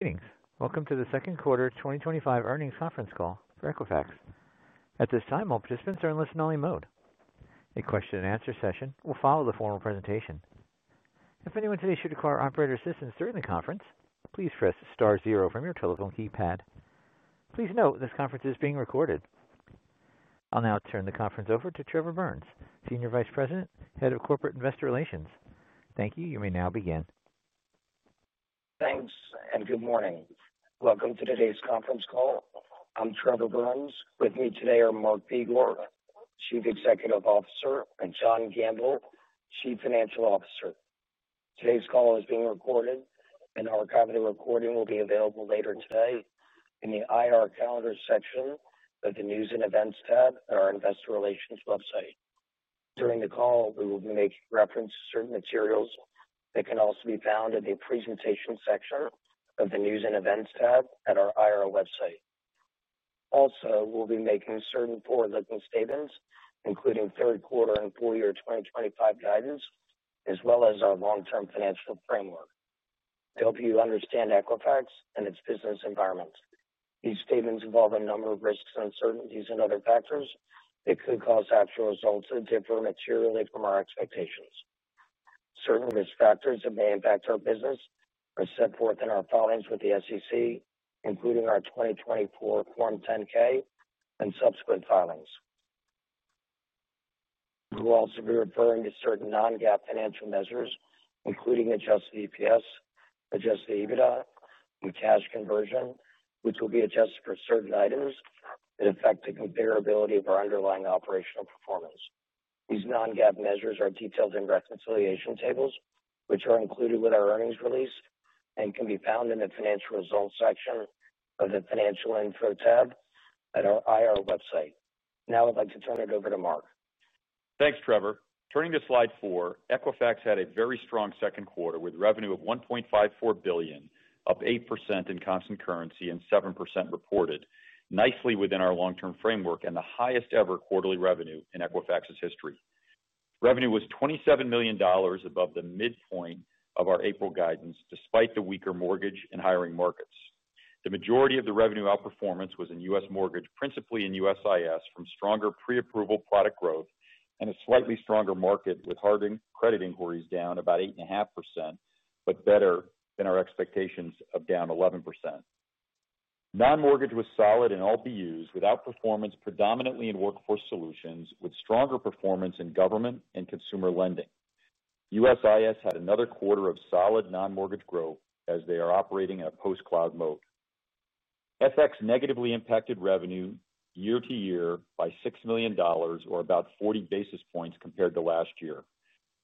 Greetings. Welcome to the Second Quarter 2025 Earnings Conference Call for Equifax. At this time, all participants are in listen-only mode. A question-and-answer session will follow the formal presentation. If anyone today should require operator assistance during the conference, please press star zero from your telephone keypad. Please note this conference is being recorded. I'll now turn the conference over to Trevor Burns, Senior Vice President, Head of Corporate Investor Relations. Thank you. You may now begin. Thanks, and good morning. Welcome to today's conference call. I'm Trevor Burns. With me today are Mark Begor, Chief Executive Officer, and John Gamble, Chief Financial Officer. Today's call is being recorded, and our recording will be available later today in the IR calendar section of the News and Events tab on our investor relations website. During the call, we will be making reference to certain materials that can also be found in the Presentation section of the News and Events tab at our IR website. Also, we'll be making certain forward-looking statements, including third quarter and full year 2025 guidance, as well as our long-term financial framework to help you understand Equifax and its business environment. These statements involve a number of risks, uncertainties, and other factors that could cause actual results to differ materially from our expectations. Certain risk factors that may impact our business are set forth in our filings with the SEC, including our 2024 Form 10-K and subsequent filings. We will also be referring to certain non-GAAP financial measures, including adjusted EPS, adjusted EBITDA, and cash conversion, which will be adjusted for certain items that affect the comparability of our underlying operational performance. These non-GAAP measures are detailed in reconciliation tables, which are included with our earnings release and can be found in the Financial Results section on the Financial Info tab at our IR website. Now, I'd like to turn it over to Mark. Thanks, Trevor. Turning to slide four, Equifax had a very strong second quarter with revenue of $1.54 billion, up 8% in constant currency and 7% reported, nicely within our long-term framework and the highest-ever quarterly revenue in Equifax's history. Revenue was $27 million above the midpoint of our April guidance, despite the weaker mortgage and hiring markets. The majority of the revenue outperformance was in U.S. mortgage, principally in USIS, from stronger pre-approval product growth and a slightly stronger market with hard credit inquiries down about 8.5%, but better than our expectations of down 11%. Non-mortgage was solid in all BUs with outperformance predominantly in Workforce Solutions, with stronger performance in government and consumer lending. USIS had another quarter of solid non-mortgage growth as they are operating in a post-cloud mode. FX negatively impacted revenue year to year by $6 million, or about 40 basis points, compared to last year.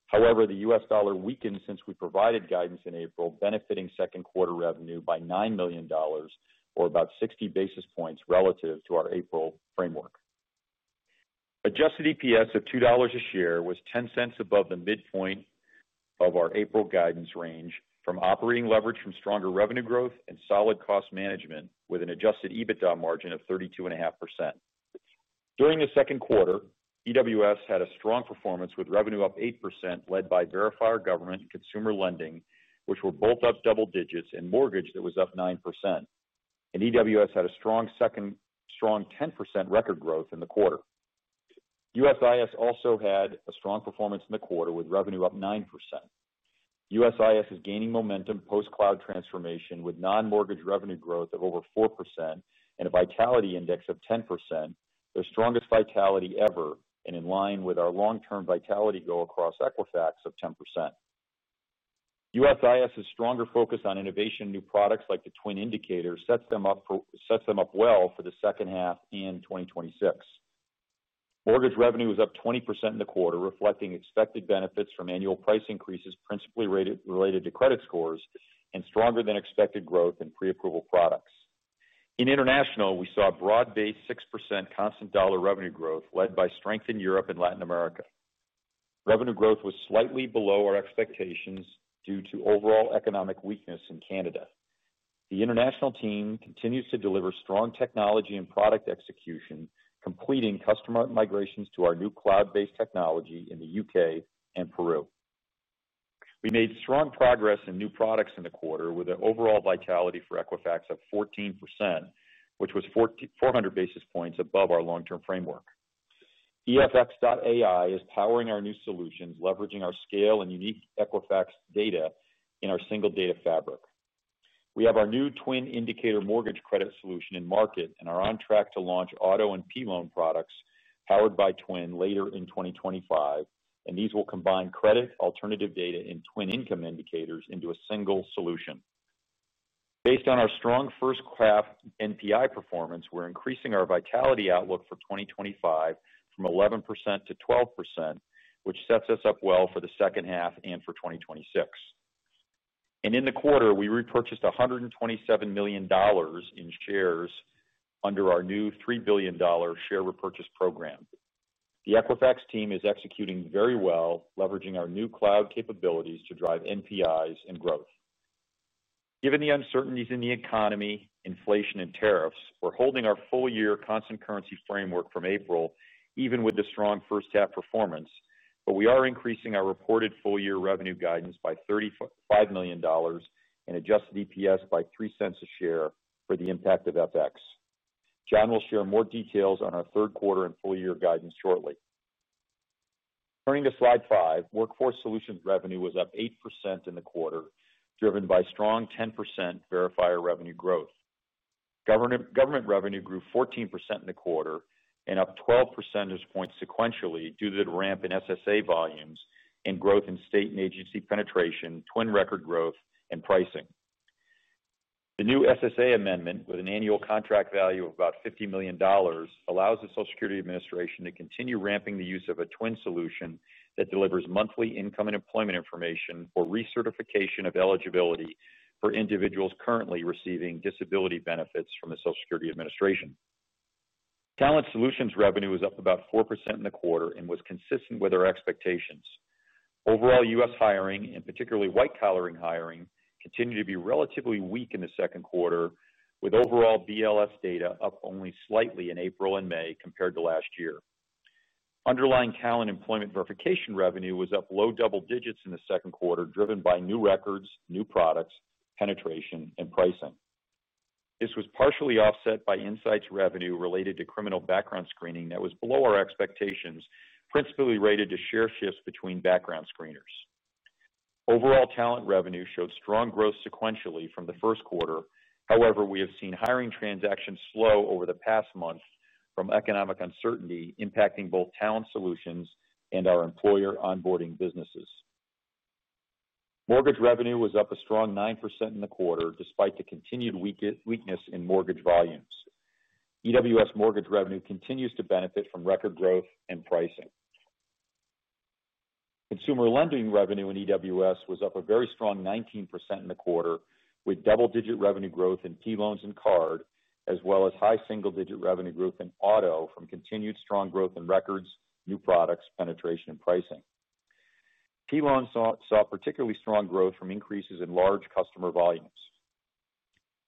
However, the U.S. dollar weakened since we provided guidance in April, benefiting second quarter revenue by $9 million, or about 60 basis points relative to our April framework. Adjusted EPS of $2 a share was $0.10 above the midpoint of our April guidance range from operating leverage, from stronger revenue growth and solid cost management, with an adjusted EBITDA margin of 32.5%. During the second quarter, EWS had a strong performance with revenue up 8%, led by verifier government and consumer lending, which were both up double digits, and mortgage that was up 9%. EWS had a strong second, strong 10% record growth in the quarter. USIS also had a strong performance in the quarter with revenue up 9%. USIS is gaining momentum post-cloud transformation with non-mortgage revenue growth of over 4% and a Vitality Index of 10%, their strongest vitality ever and in line with our long-term vitality goal across Equifax of 10%. USIS's stronger focus on innovation and new products like the TWIN Indicator sets them up well for the second half in 2026. Mortgage revenue was up 20% in the quarter, reflecting expected benefits from annual price increases, principally related to credit scores, and stronger-than-expected growth in pre-approval products. In international, we saw broad-based 6% constant dollar revenue growth, led by strength in Europe and Latin America. Revenue growth was slightly below our expectations due to overall economic weakness in Canada. The international team continues to deliver strong technology and product execution, completing customer migrations to our new cloud-based technology in the U.K. and Peru. We made strong progress in new products in the quarter with an overall vitality for Equifax of 14%, which was 400 basis points above our long-term framework. EFX.AI is powering our new solutions, leveraging our scale and unique Equifax data in our single data fabric. We have our new TWIN Indicator mortgage credit solution in market and are on track to launch auto and P-loan products powered by TWIN later in 2025, and these will combine credit, alternative data, and TWIN Income Indicators into a single solution. Based on our strong first-half NPI performance, we're increasing our vitality outlook for 2025 from 11% to 12%, which sets us up well for the second half and for 2026. In the quarter, we repurchased $127 million in shares under our new $3 billion share repurchase program. The Equifax team is executing very well, leveraging our new cloud capabilities to drive NPIs and growth. Given the uncertainties in the economy, inflation, and tariffs, we're holding our full year constant currency framework from April, even with the strong first-half performance, but we are increasing our reported full year revenue guidance by $35 million and adjusted EPS by $0.03 a share for the impact of FX. John will share more details on our third quarter and full year guidance shortly. Turning to slide five, Workforce Solutions revenue was up 8% in the quarter, driven by strong 10% verifier revenue growth. Government revenue grew 14% in the quarter and up 12 percentage points sequentially due to the ramp in SSA volumes and growth in state and agency penetration, TWIN record growth, and pricing. The new SSA amendment, with an annual contract value of about $50 million, allows the Social Security Administration to continue ramping the use of a TWIN solution that delivers monthly income and employment information for recertification of eligibility for individuals currently receiving disability benefits from the Social Security Administration. Talent Solutions revenue was up about 4% in the quarter and was consistent with our expectations. Overall, U.S. hiring, and particularly white-collar hiring, continued to be relatively weak in the second quarter, with overall BLS data up only slightly in April and May compared to last year. Underlying talent employment verification revenue was up low double-digits in the second quarter, driven by new records, new products, penetration, and pricing. This was partially offset by insights revenue related to criminal background screening that was below our expectations, principally related to share shifts between background screeners. Overall talent revenue showed strong growth sequentially from the first quarter. However, we have seen hiring transactions slow over the past month from economic uncertainty impacting both Talent Solutions and our employer onboarding businesses. Mortgage revenue was up a strong 9% in the quarter, despite the continued weakness in mortgage volumes. EWS mortgage revenue continues to benefit from record growth and pricing. Consumer lending revenue in EWS was up a very strong 19% in the quarter, with double-digit revenue growth in P-loans and card, as well as high single-digit revenue growth in auto from continued strong growth in records, new products, penetration, and pricing. P-loans saw particularly strong growth from increases in large customer volumes.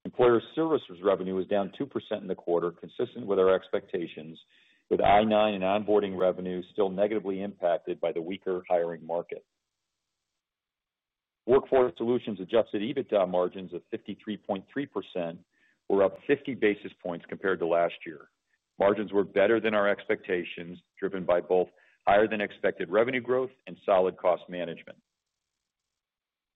Employer Services revenue was down 2% in the quarter, consistent with our expectations, with I-9 and onboarding revenue still negatively impacted by the weaker hiring market. Workforce Solutions adjusted EBITDA margins of 53.3% were up 50 basis points compared to last year. Margins were better than our expectations, driven by both higher-than-expected revenue growth and solid cost management.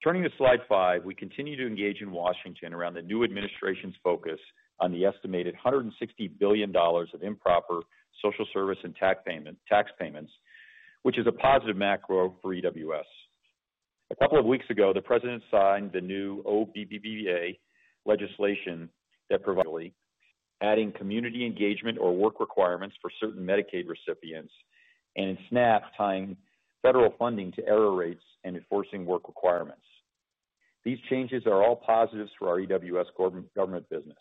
Turning to slide five, we continue to engage in Washington around the new administration's focus on the estimated $160 billion of improper social service and tax payments, which is a positive macro for EWS. A couple of weeks ago, the president signed the new OBBBA legislation that provides adding community engagement or work requirements for certain Medicaid recipients and in SNAP, tying federal funding to error rates and enforcing work requirements. These changes are all positives for our EWS government business.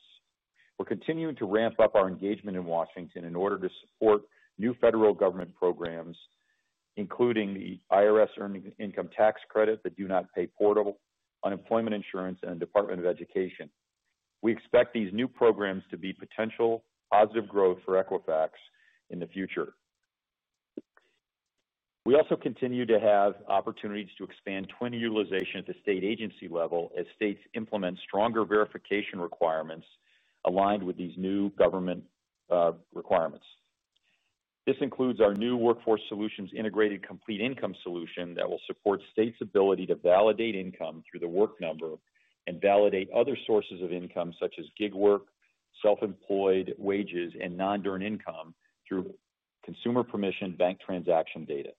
We're continuing to ramp up our engagement in Washington in order to support new federal government programs, including the IRS earned income tax credit that Do Not Pay Portal, unemployment insurance, and the Department of Education. We expect these new programs to be potential positive growth for Equifax in the future. We also continue to have opportunities to expand TWIN utilization at the state agency level as states implement stronger verification requirements aligned with these new government requirements. This includes our new Workforce Solutions integrated complete income solution that will support states' ability to validate income through The Work Number and validate other sources of income, such as gig work, self-employed wages, and non-during income through consumer permission bank transaction data.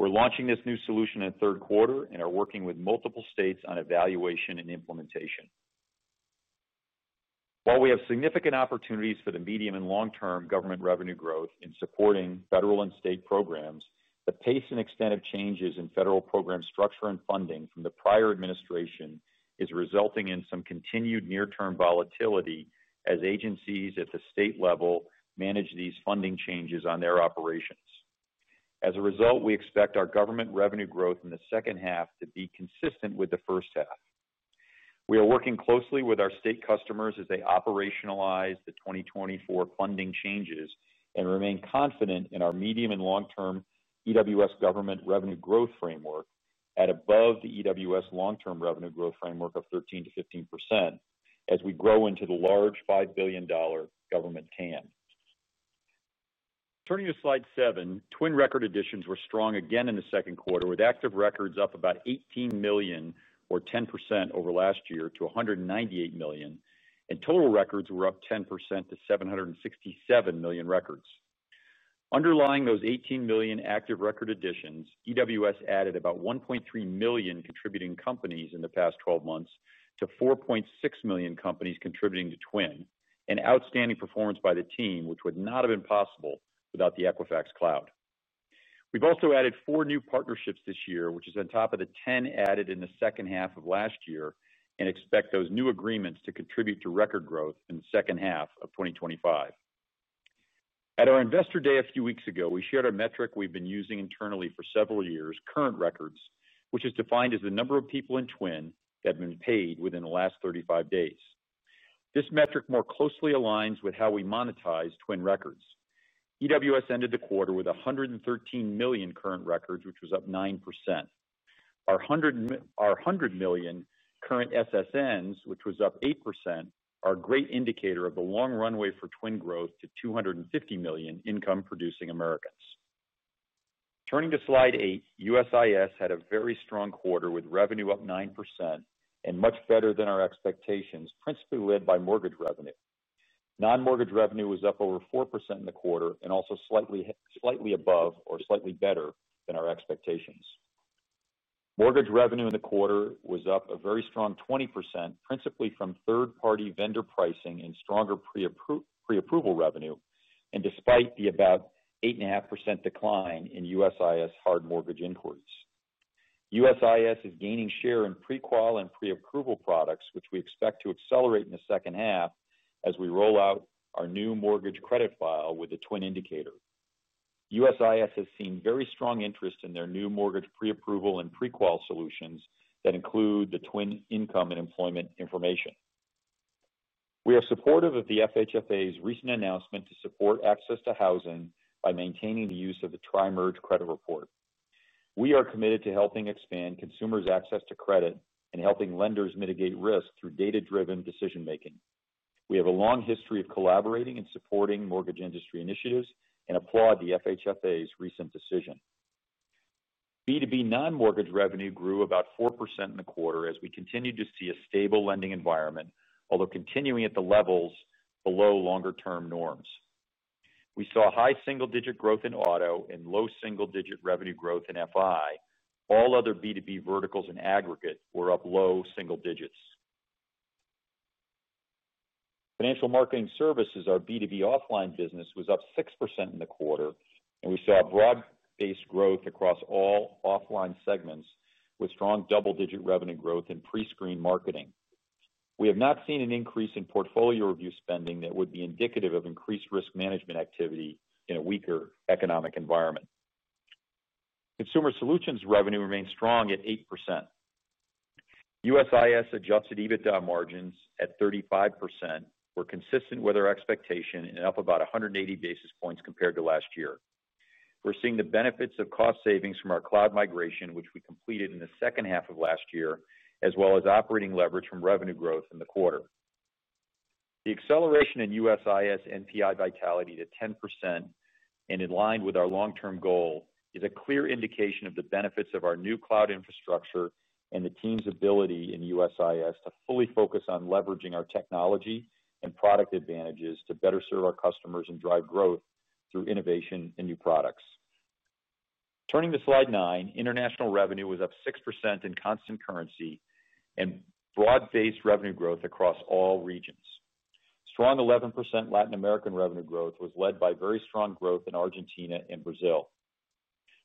We're launching this new solution in third quarter and are working with multiple states on evaluation and implementation. While we have significant opportunities for the medium and long-term government revenue growth in supporting federal and state programs, the pace and extent of changes in federal program structure and funding from the prior administration is resulting in some continued near-term volatility as agencies at the state level manage these funding changes on their operations. As a result, we expect our government revenue growth in the second half to be consistent with the first half. We are working closely with our state customers as they operationalize the 2024 funding changes and remain confident in our medium and long-term EWS government revenue growth framework at above the EWS long-term revenue growth framework of 13%-15% as we grow into the large $5 billion government can. Turning to slide seven. TWIN record additions were strong again in the second quarter, with active records up about 18 million, or 10% over last year, to 198 million, and total records were up 10% to 767 million records. Underlying those 18 million active record additions, EWS added about 1.3 million contributing companies in the past 12 months to 4.6 million companies contributing to TWIN, an outstanding performance by the team, which would not have been possible without the Equifax Cloud. We've also added four new partnerships this year, which is on top of the 10 added in the second half of last year, and expect those new agreements to contribute to record growth in the second half of 2025. At our Investor Day a few weeks ago, we shared a metric we've been using internally for several years, current records, which is defined as the number of people in TWIN that have been paid within the last 35 days. This metric more closely aligns with how we monetize TWIN records. EWS ended the quarter with 113 million current records, which was up 9%. Our 100 million current SSNs, which was up 8%, are a great indicator of the long runway for TWIN growth to 250 million income-producing Americans. Turning to slide eight, USIS had a very strong quarter with revenue up 9% and much better than our expectations, principally led by mortgage revenue. Non-mortgage revenue was up over 4% in the quarter and also slightly above or slightly better than our expectations. Mortgage revenue in the quarter was up a very strong 20%, principally from third-party vendor pricing and stronger pre-approval revenue, and despite the about 8.5% decline in USIS hard mortgage inquiries. USIS is gaining share in pre-qual and pre-approval products, which we expect to accelerate in the second half as we roll out our new mortgage credit file with the TWIN Indicator. USIS has seen very strong interest in their new mortgage pre-approval and pre-qual solutions that include the TWIN income and employment information. We are supportive of the FHFA's recent announcement to support access to housing by maintaining the use of the tri-merge credit report. We are committed to helping expand consumers' access to credit and helping lenders mitigate risk through data-driven decision-making. We have a long history of collaborating and supporting mortgage industry initiatives and applaud the FHFA's recent decision. B2B non-mortgage revenue grew about 4% in the quarter as we continued to see a stable lending environment, although continuing at the levels below longer-term norms. We saw high single-digit growth in auto and low single-digit revenue growth in FI. All other B2B verticals in aggregate were up low single-digits. Financial marketing services, our B2B offline business, was up 6% in the quarter, and we saw broad-based growth across all offline segments with strong double-digit revenue growth in pre-screen marketing. We have not seen an increase in portfolio review spending that would be indicative of increased risk management activity in a weaker economic environment. Consumer solutions revenue remained strong at 8%. USIS adjusted EBITDA margins at 35% were consistent with our expectation and up about 180 basis points compared to last year. We're seeing the benefits of cost savings from our cloud migration, which we completed in the second half of last year, as well as operating leverage from revenue growth in the quarter. The acceleration in USIS NPI vitality to 10% and in line with our long-term goal is a clear indication of the benefits of our new cloud infrastructure and the team's ability in USIS to fully focus on leveraging our technology and product advantages to better serve our customers and drive growth through innovation and new products. Turning to slide nine, international revenue was up 6% in constant currency and broad-based revenue growth across all regions. Strong 11% Latin American revenue growth was led by very strong growth in Argentina and Brazil.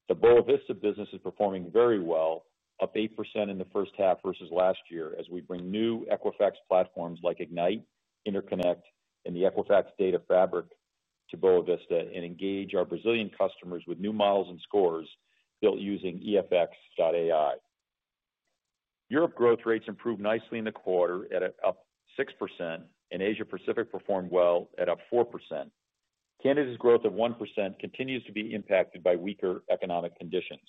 The Boa Vista business is performing very well, up 8% in the first half versus last year, as we bring new Equifax platforms like Ignite, InterConnect, and the Equifax Data Fabric to Boa Vista and engage our Brazilian customers with new models and scores built using EFX.AI. Europe growth rates improved nicely in the quarter at up 6%, and Asia-Pacific performed well at up 4%. Canada's growth of 1% continues to be impacted by weaker economic conditions.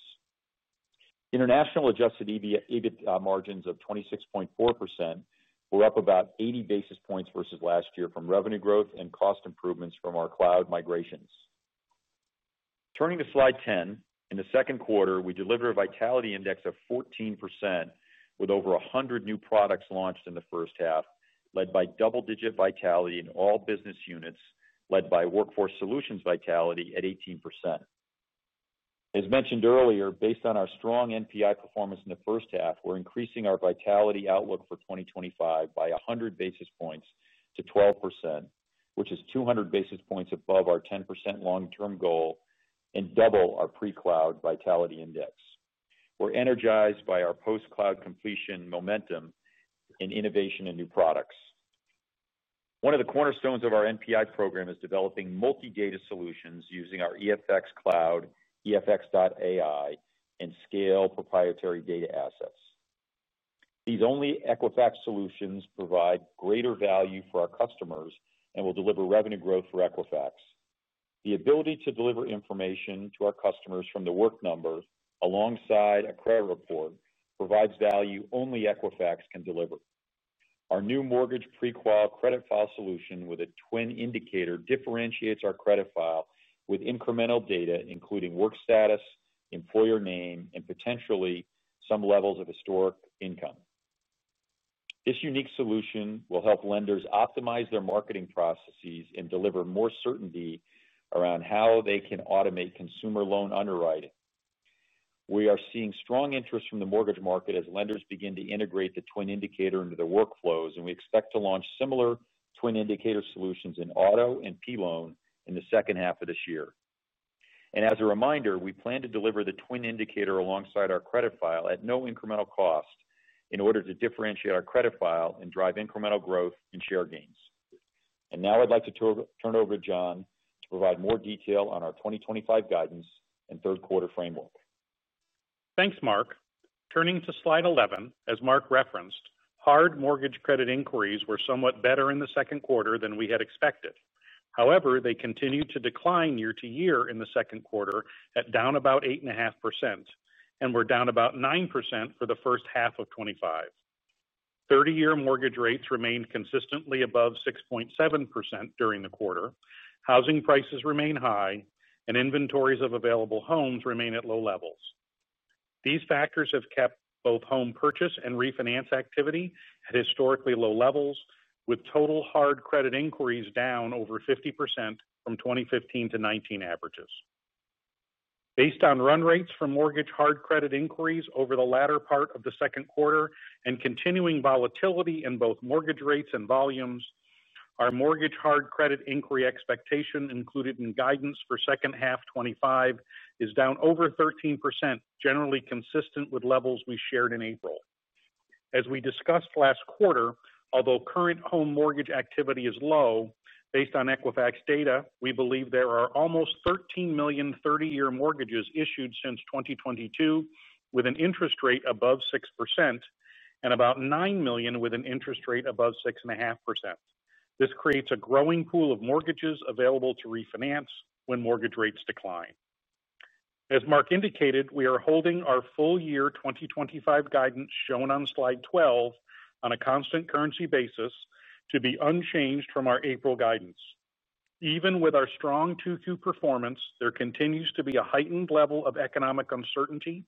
International adjusted EBITDA margins of 26.4% were up about 80 basis points versus last year from revenue growth and cost improvements from our cloud migrations. Turning to slide 10. In the second quarter, we delivered a Vitality Index of 14% with over 100 new products launched in the first half, led by double-digit vitality in all business units, led by Workforce Solutions vitality at 18%. As mentioned earlier, based on our strong NPI performance in the first half, we're increasing our vitality outlook for 2025 by 100 basis points to 12%, which is 200 basis points above our 10% long-term goal and double our pre-cloud Vitality Index. We're energized by our post-cloud completion momentum in innovation and new products. One of the cornerstones of our NPI program is developing multi-data solutions using our EFX Cloud, EFX.AI, and scale proprietary data assets. These Only Equifax solutions provide greater value for our customers and will deliver revenue growth for Equifax. The ability to deliver information to our customers from The Work Number alongside a credit report provides value only Equifax can deliver. Our new mortgage pre-qual credit file solution with a TWIN Indicator differentiates our credit file with incremental data, including work status, employer name, and potentially some levels of historic income. This unique solution will help lenders optimize their marketing processes and deliver more certainty around how they can automate consumer loan underwriting. We are seeing strong interest from the mortgage market as lenders begin to integrate the TWIN Indicator into their workflows, and we expect to launch similar TWIN Indicator solutions in auto and P-loan in the second half of this year. As a reminder, we plan to deliver the TWIN Indicator alongside our credit file at no incremental cost in order to differentiate our credit file and drive incremental growth and share gains. Now I'd like to turn it over to John to provide more detail on our 2025 guidance and third-quarter framework. Thanks, Mark. Turning to slide 11, as Mark referenced, hard mortgage credit inquiries were somewhat better in the second quarter than we had expected. However, they continued to decline year to year in the second quarter at down about 8.5% and were down about 9% for the first half of 2025. 30-year mortgage rates remained consistently above 6.7% during the quarter. Housing prices remain high, and inventories of available homes remain at low levels. These factors have kept both home purchase and refinance activity at historically low levels, with total hard credit inquiries down over 50% from 2015-2019 averages. Based on run rates for mortgage hard credit inquiries over the latter part of the second quarter and continuing volatility in both mortgage rates and volumes, our mortgage hard credit inquiry expectation included in guidance for second half 2025 is down over 13%, generally consistent with levels we shared in April. As we discussed last quarter, although current home mortgage activity is low, based on Equifax data, we believe there are almost 13 million 30-year mortgages issued since 2022 with an interest rate above 6% and about 9 million with an interest rate above 6.5%. This creates a growing pool of mortgages available to refinance when mortgage rates decline. As Mark indicated, we are holding our full year 2025 guidance shown on slide 12 on a constant currency basis to be unchanged from our April guidance. Even with our strong Q2 performance, there continues to be a heightened level of economic uncertainty,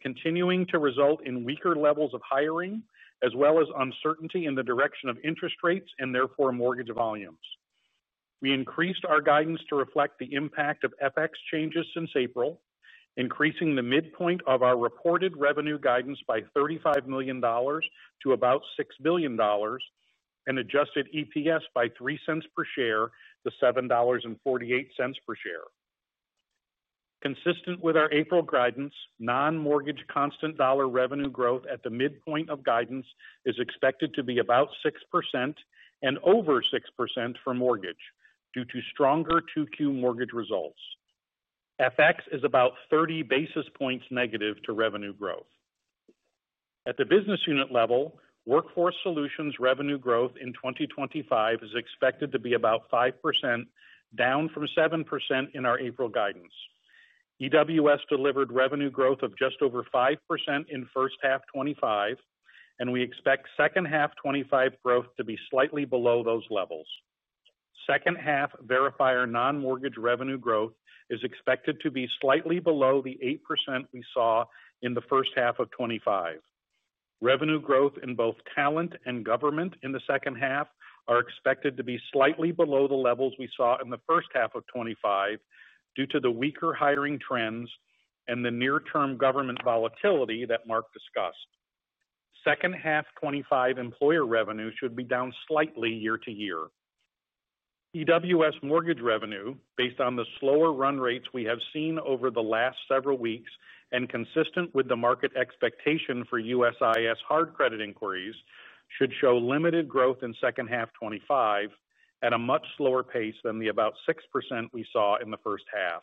continuing to result in weaker levels of hiring, as well as uncertainty in the direction of interest rates and therefore mortgage volumes. We increased our guidance to reflect the impact of FX changes since April, increasing the midpoint of our reported revenue guidance by $35 million to about $6 billion, and adjusted EPS by $0.03 per share, to $7.48 per share. Consistent with our April guidance, non-mortgage constant dollar revenue growth at the midpoint of guidance is expected to be about 6% and over 6% for mortgage due to stronger 2Q mortgage results. FX is about 30 basis points negative to revenue growth. At the business unit level, Workforce Solutions revenue growth in 2025 is expected to be about 5%, down from 7% in our April guidance. EWS delivered revenue growth of just over 5% in first half 2025, and we expect second half 2025 growth to be slightly below those levels. Second half verifier non-mortgage revenue growth is expected to be slightly below the 8% we saw in the first half of 2025. Revenue growth in both talent and government in the second half are expected to be slightly below the levels we saw in the first half of 2025 due to the weaker hiring trends and the near-term government volatility that Mark discussed. Second half 2025 employer revenue should be down slightly year to year. EWS mortgage revenue, based on the slower run rates we have seen over the last several weeks and consistent with the market expectation for USIS hard credit inquiries, should show limited growth in second half 2025 at a much slower pace than the about 6% we saw in the first half.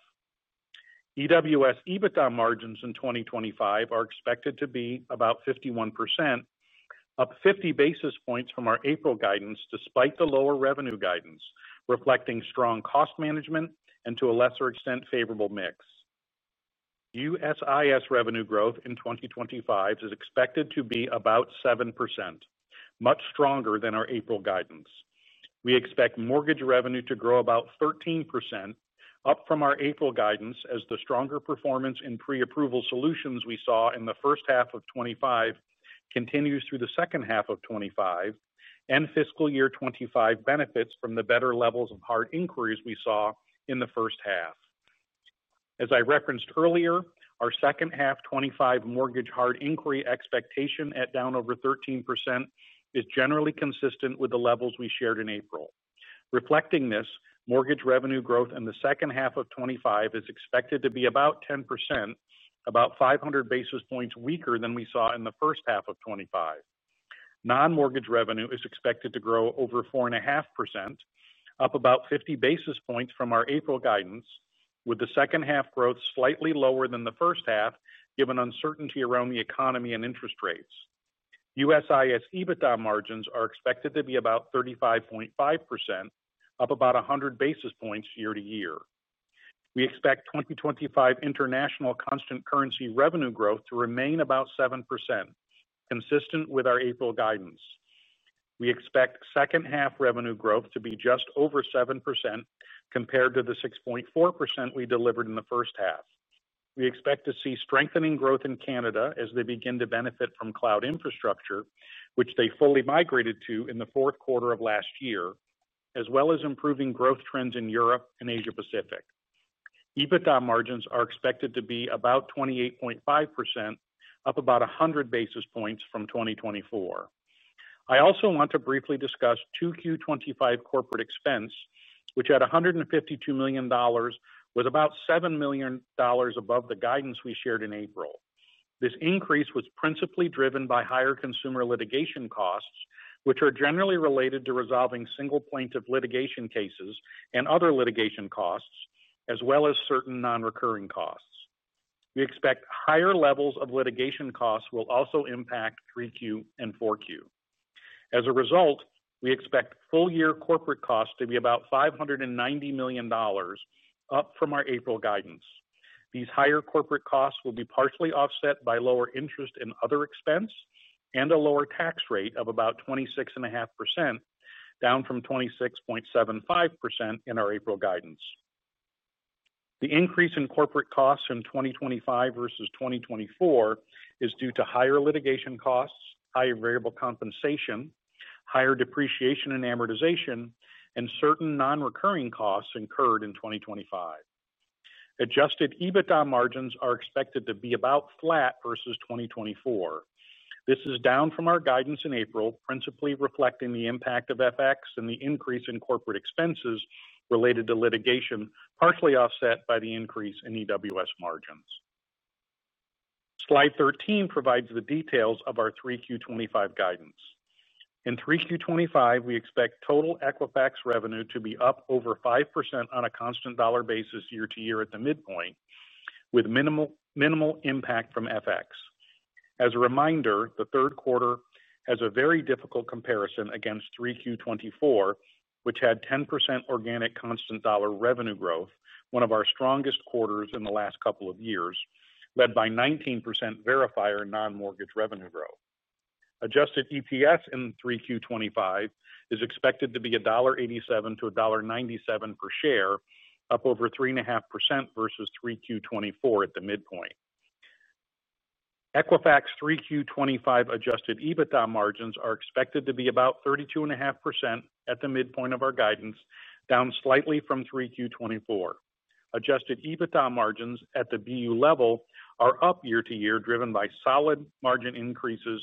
EWS EBITDA margins in 2025 are expected to be about 51%. Up 50 basis points from our April guidance, despite the lower revenue guidance, reflecting strong cost management and to a lesser extent favorable mix. USIS revenue growth in 2025 is expected to be about 7%, much stronger than our April guidance. We expect mortgage revenue to grow about 13%, up from our April guidance as the stronger performance in pre-approval solutions we saw in the first half of 2025 continues through the second half of 2025 and fiscal year 2025 benefits from the better levels of hard inquiries we saw in the first half. As I referenced earlier, our second half 2025 mortgage hard inquiry expectation at down over 13% is generally consistent with the levels we shared in April. Reflecting this, mortgage revenue growth in the second half of 2025 is expected to be about 10%, about 500 basis points weaker than we saw in the first half of 2025. Non-mortgage revenue is expected to grow over 4.5%. Up about 50 basis points from our April guidance, with the second half growth slightly lower than the first half given uncertainty around the economy and interest rates. USIS EBITDA margins are expected to be about 35.5%, up about 100 basis points year to year. We expect 2025 international constant currency revenue growth to remain about 7%. Consistent with our April guidance. We expect second half revenue growth to be just over 7% compared to the 6.4% we delivered in the first half. We expect to see strengthening growth in Canada as they begin to benefit from cloud infrastructure, which they fully migrated to in the fourth quarter of last year, as well as improving growth trends in Europe and Asia-Pacific. EBITDA margins are expected to be about 28.5%, up about 100 basis points from 2024. I also want to briefly discuss Q2 2025 corporate expense, which at $152 million was about $7 million above the guidance we shared in April. This increase was principally driven by higher consumer litigation costs, which are generally related to resolving single plaintiff litigation cases and other litigation costs, as well as certain non-recurring costs. We expect higher levels of litigation costs will also impact 3Q and 4Q. As a result, we expect full year corporate costs to be about $590 million, up from our April guidance. These higher corporate costs will be partially offset by lower interest and other expense and a lower tax rate of about 26.5%, down from 26.75% in our April guidance. The increase in corporate costs in 2025 versus 2024 is due to higher litigation costs, higher variable compensation, higher depreciation and amortization, and certain non-recurring costs incurred in 2025. Adjusted EBITDA margins are expected to be about flat versus 2024. This is down from our guidance in April, principally reflecting the impact of FX and the increase in corporate expenses related to litigation, partially offset by the increase in EWS margins. Slide 13 provides the details of our 3Q 2025 guidance. In 3Q 2025, we expect total Equifax revenue to be up over 5% on a constant dollar basis year to year at the midpoint, with minimal impact from FX. As a reminder, the third quarter has a very difficult comparison against 3Q 2024, which had 10% organic constant dollar revenue growth, one of our strongest quarters in the last couple of years, led by 19% verifier non-mortgage revenue growth. Adjusted EPS in 3Q 2025 is expected to be $1.87 to $1.97 per share, up over 3.5% versus 3Q 2024 at the midpoint. Equifax 3Q 2025 adjusted EBITDA margins are expected to be about 32.5% at the midpoint of our guidance, down slightly from 3Q 2024. Adjusted EBITDA margins at the BU level are up year to year, driven by solid margin increases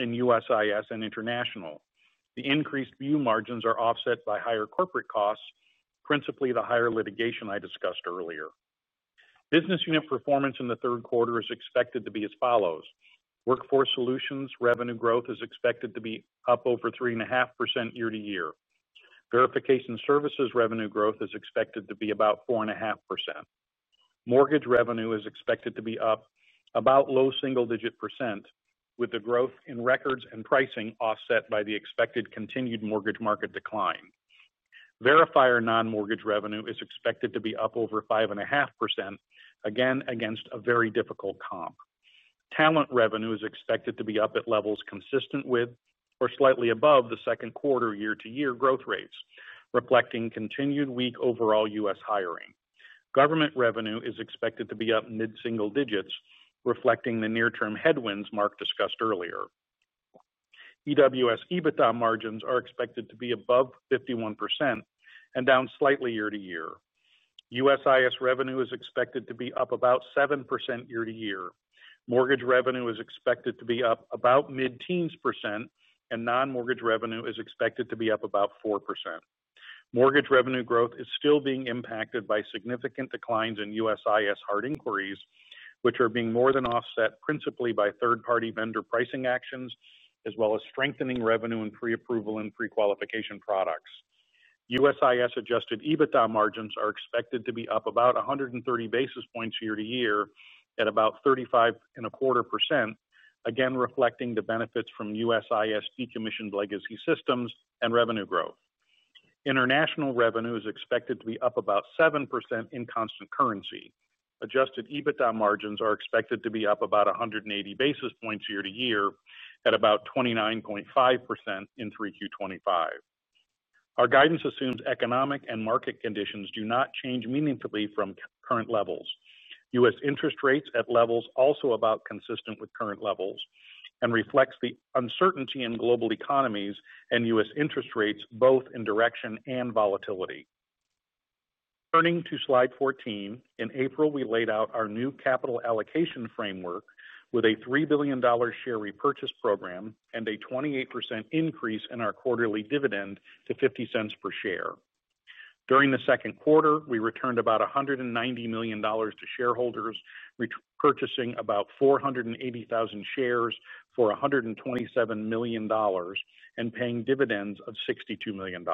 in USIS and international. The increased BU margins are offset by higher corporate costs, principally the higher litigation I discussed earlier. Business unit performance in the third quarter is expected to be as follows. Workforce Solutions revenue growth is expected to be up over 3.5% year to year. Verification services revenue growth is expected to be about 4.5%. Mortgage revenue is expected to be up about low single-digit percent, with the growth in records and pricing offset by the expected continued mortgage market decline. Verifier non-mortgage revenue is expected to be up over 5.5%, again against a very difficult comp. Talent revenue is expected to be up at levels consistent with or slightly above the second quarter year-to-year growth rates, reflecting continued weak overall U.S. hiring. Government revenue is expected to be up mid-single digits, reflecting the near-term headwinds Mark discussed earlier. EWS EBITDA margins are expected to be above 51% and down slightly year to year. USIS revenue is expected to be up about 7% year to year. Mortgage revenue is expected to be up about mid-teens percent, and non-mortgage revenue is expected to be up about 4%. Mortgage revenue growth is still being impacted by significant declines in USIS hard inquiries, which are being more than offset principally by third-party vendor pricing actions, as well as strengthening revenue in pre-approval and pre-qualification products. USIS adjusted EBITDA margins are expected to be up about 130 basis points year to year at about 35.25%, again reflecting the benefits from USIS decommissioned legacy systems and revenue growth. International revenue is expected to be up about 7% in constant currency. Adjusted EBITDA margins are expected to be up about 180 basis points year to year at about 29.5% in 3Q 2025. Our guidance assumes economic and market conditions do not change meaningfully from current levels. U.S. interest rates at levels also about consistent with current levels and reflects the uncertainty in global economies and U.S. interest rates, both in direction and volatility. Turning to slide 14, in April, we laid out our new capital allocation framework with a $3 billion share repurchase program and a 28% increase in our quarterly dividend to $0.50 per share. During the second quarter, we returned about $190 million to shareholders, purchasing about 480,000 shares for $127 million and paying dividends of $62 million.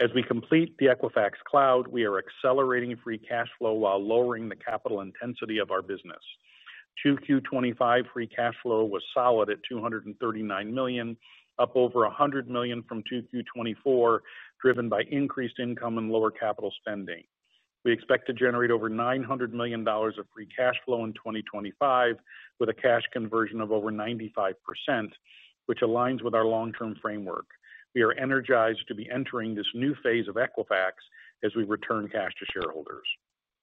As we complete the Equifax Cloud, we are accelerating free cash flow while lowering the capital intensity of our business. 2Q 2025 free cash flow was solid at $239 million, up over $100 million from 2Q 2024, driven by increased income and lower capital spending. We expect to generate over $900 million of free cash flow in 2025 with a cash conversion of over 95%, which aligns with our long-term framework. We are energized to be entering this new phase of Equifax as we return cash to shareholders.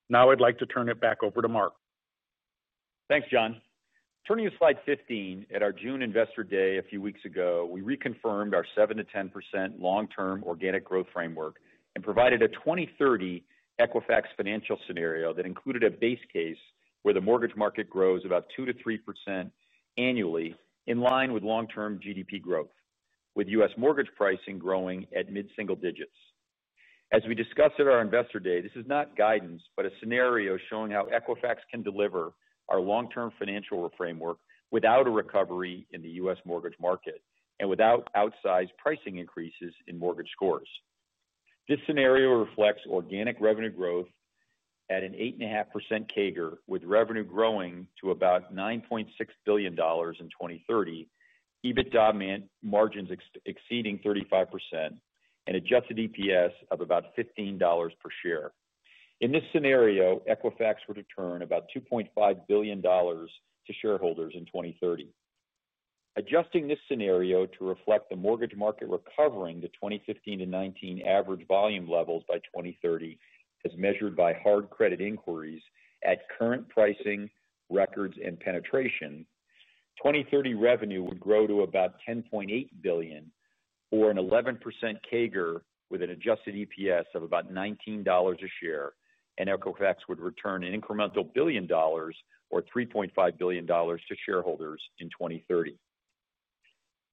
Now I'd like to turn it back over to Mark. Thanks, John. Turning to slide 15, at our June Investor Day a few weeks ago, we reconfirmed our 7% to 10% long-term organic growth framework and provided a 2030 Equifax financial scenario that included a base case where the mortgage market grows about 2% to 3% annually, in line with long-term GDP growth, with U.S. mortgage pricing growing at mid-single digits. As we discussed at our Investor Day, this is not guidance, but a scenario showing how Equifax can deliver our long-term financial framework without a recovery in the U.S. mortgage market and without outsized pricing increases in mortgage scores. This scenario reflects organic revenue growth at an 8.5% CAGR, with revenue growing to about $9.6 billion in 2030, EBITDA margins exceeding 35%, and adjusted EPS of about $15 per share. In this scenario, Equifax would return about $2.5 billion to shareholders in 2030. Adjusting this scenario to reflect the mortgage market recovering to 2015-2019 average volume levels by 2030, as measured by hard credit inquiries at current pricing, records, and penetration, 2030 revenue would grow to about $10.8 billion, or an 11% CAGR with an adjusted EPS of about $19 a share, and Equifax would return an incremental $1 billion, or $3.5 billion, to shareholders in 2030.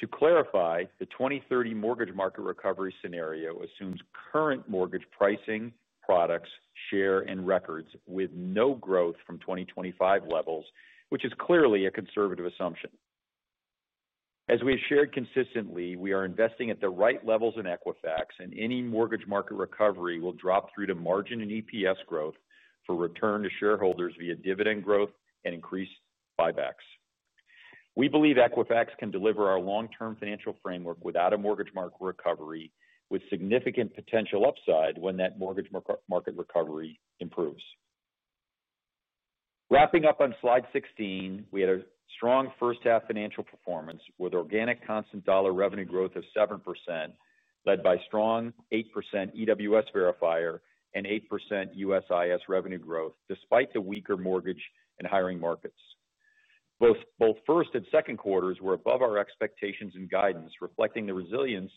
To clarify, the 2030 mortgage market recovery scenario assumes current mortgage pricing, products, share, and records with no growth from 2025 levels, which is clearly a conservative assumption. As we have shared consistently, we are investing at the right levels in Equifax, and any mortgage market recovery will drop through to margin and EPS growth for return to shareholders via dividend growth and increased buybacks. We believe Equifax can deliver our long-term financial framework without a mortgage market recovery, with significant potential upside when that mortgage market recovery improves. Wrapping up on slide 16, we had a strong first half financial performance with organic constant dollar revenue growth of 7%, led by strong 8% EWS verifier and 8% USIS revenue growth, despite the weaker mortgage and hiring markets. Both first and second quarters were above our expectations and guidance, reflecting the resilience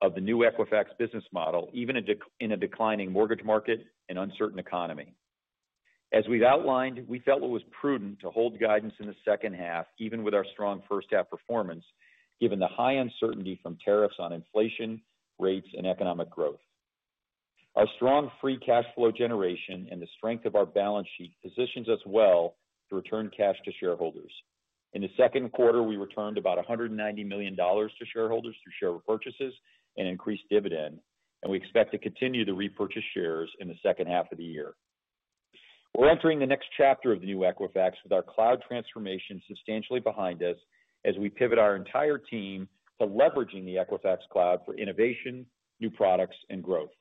of the new Equifax business model, even in a declining mortgage market and uncertain economy. As we've outlined, we felt it was prudent to hold guidance in the second half, even with our strong first half performance, given the high uncertainty from tariffs on inflation, rates, and economic growth. Our strong free cash flow generation and the strength of our balance sheet positions us well to return cash to shareholders. In the second quarter, we returned about $190 million to shareholders through share repurchases and increased dividend, and we expect to continue to repurchase shares in the second half of the year. We're entering the next chapter of the new Equifax with our cloud transformation substantially behind us as we pivot our entire team to leveraging the Equifax Cloud for innovation, new products, and growth.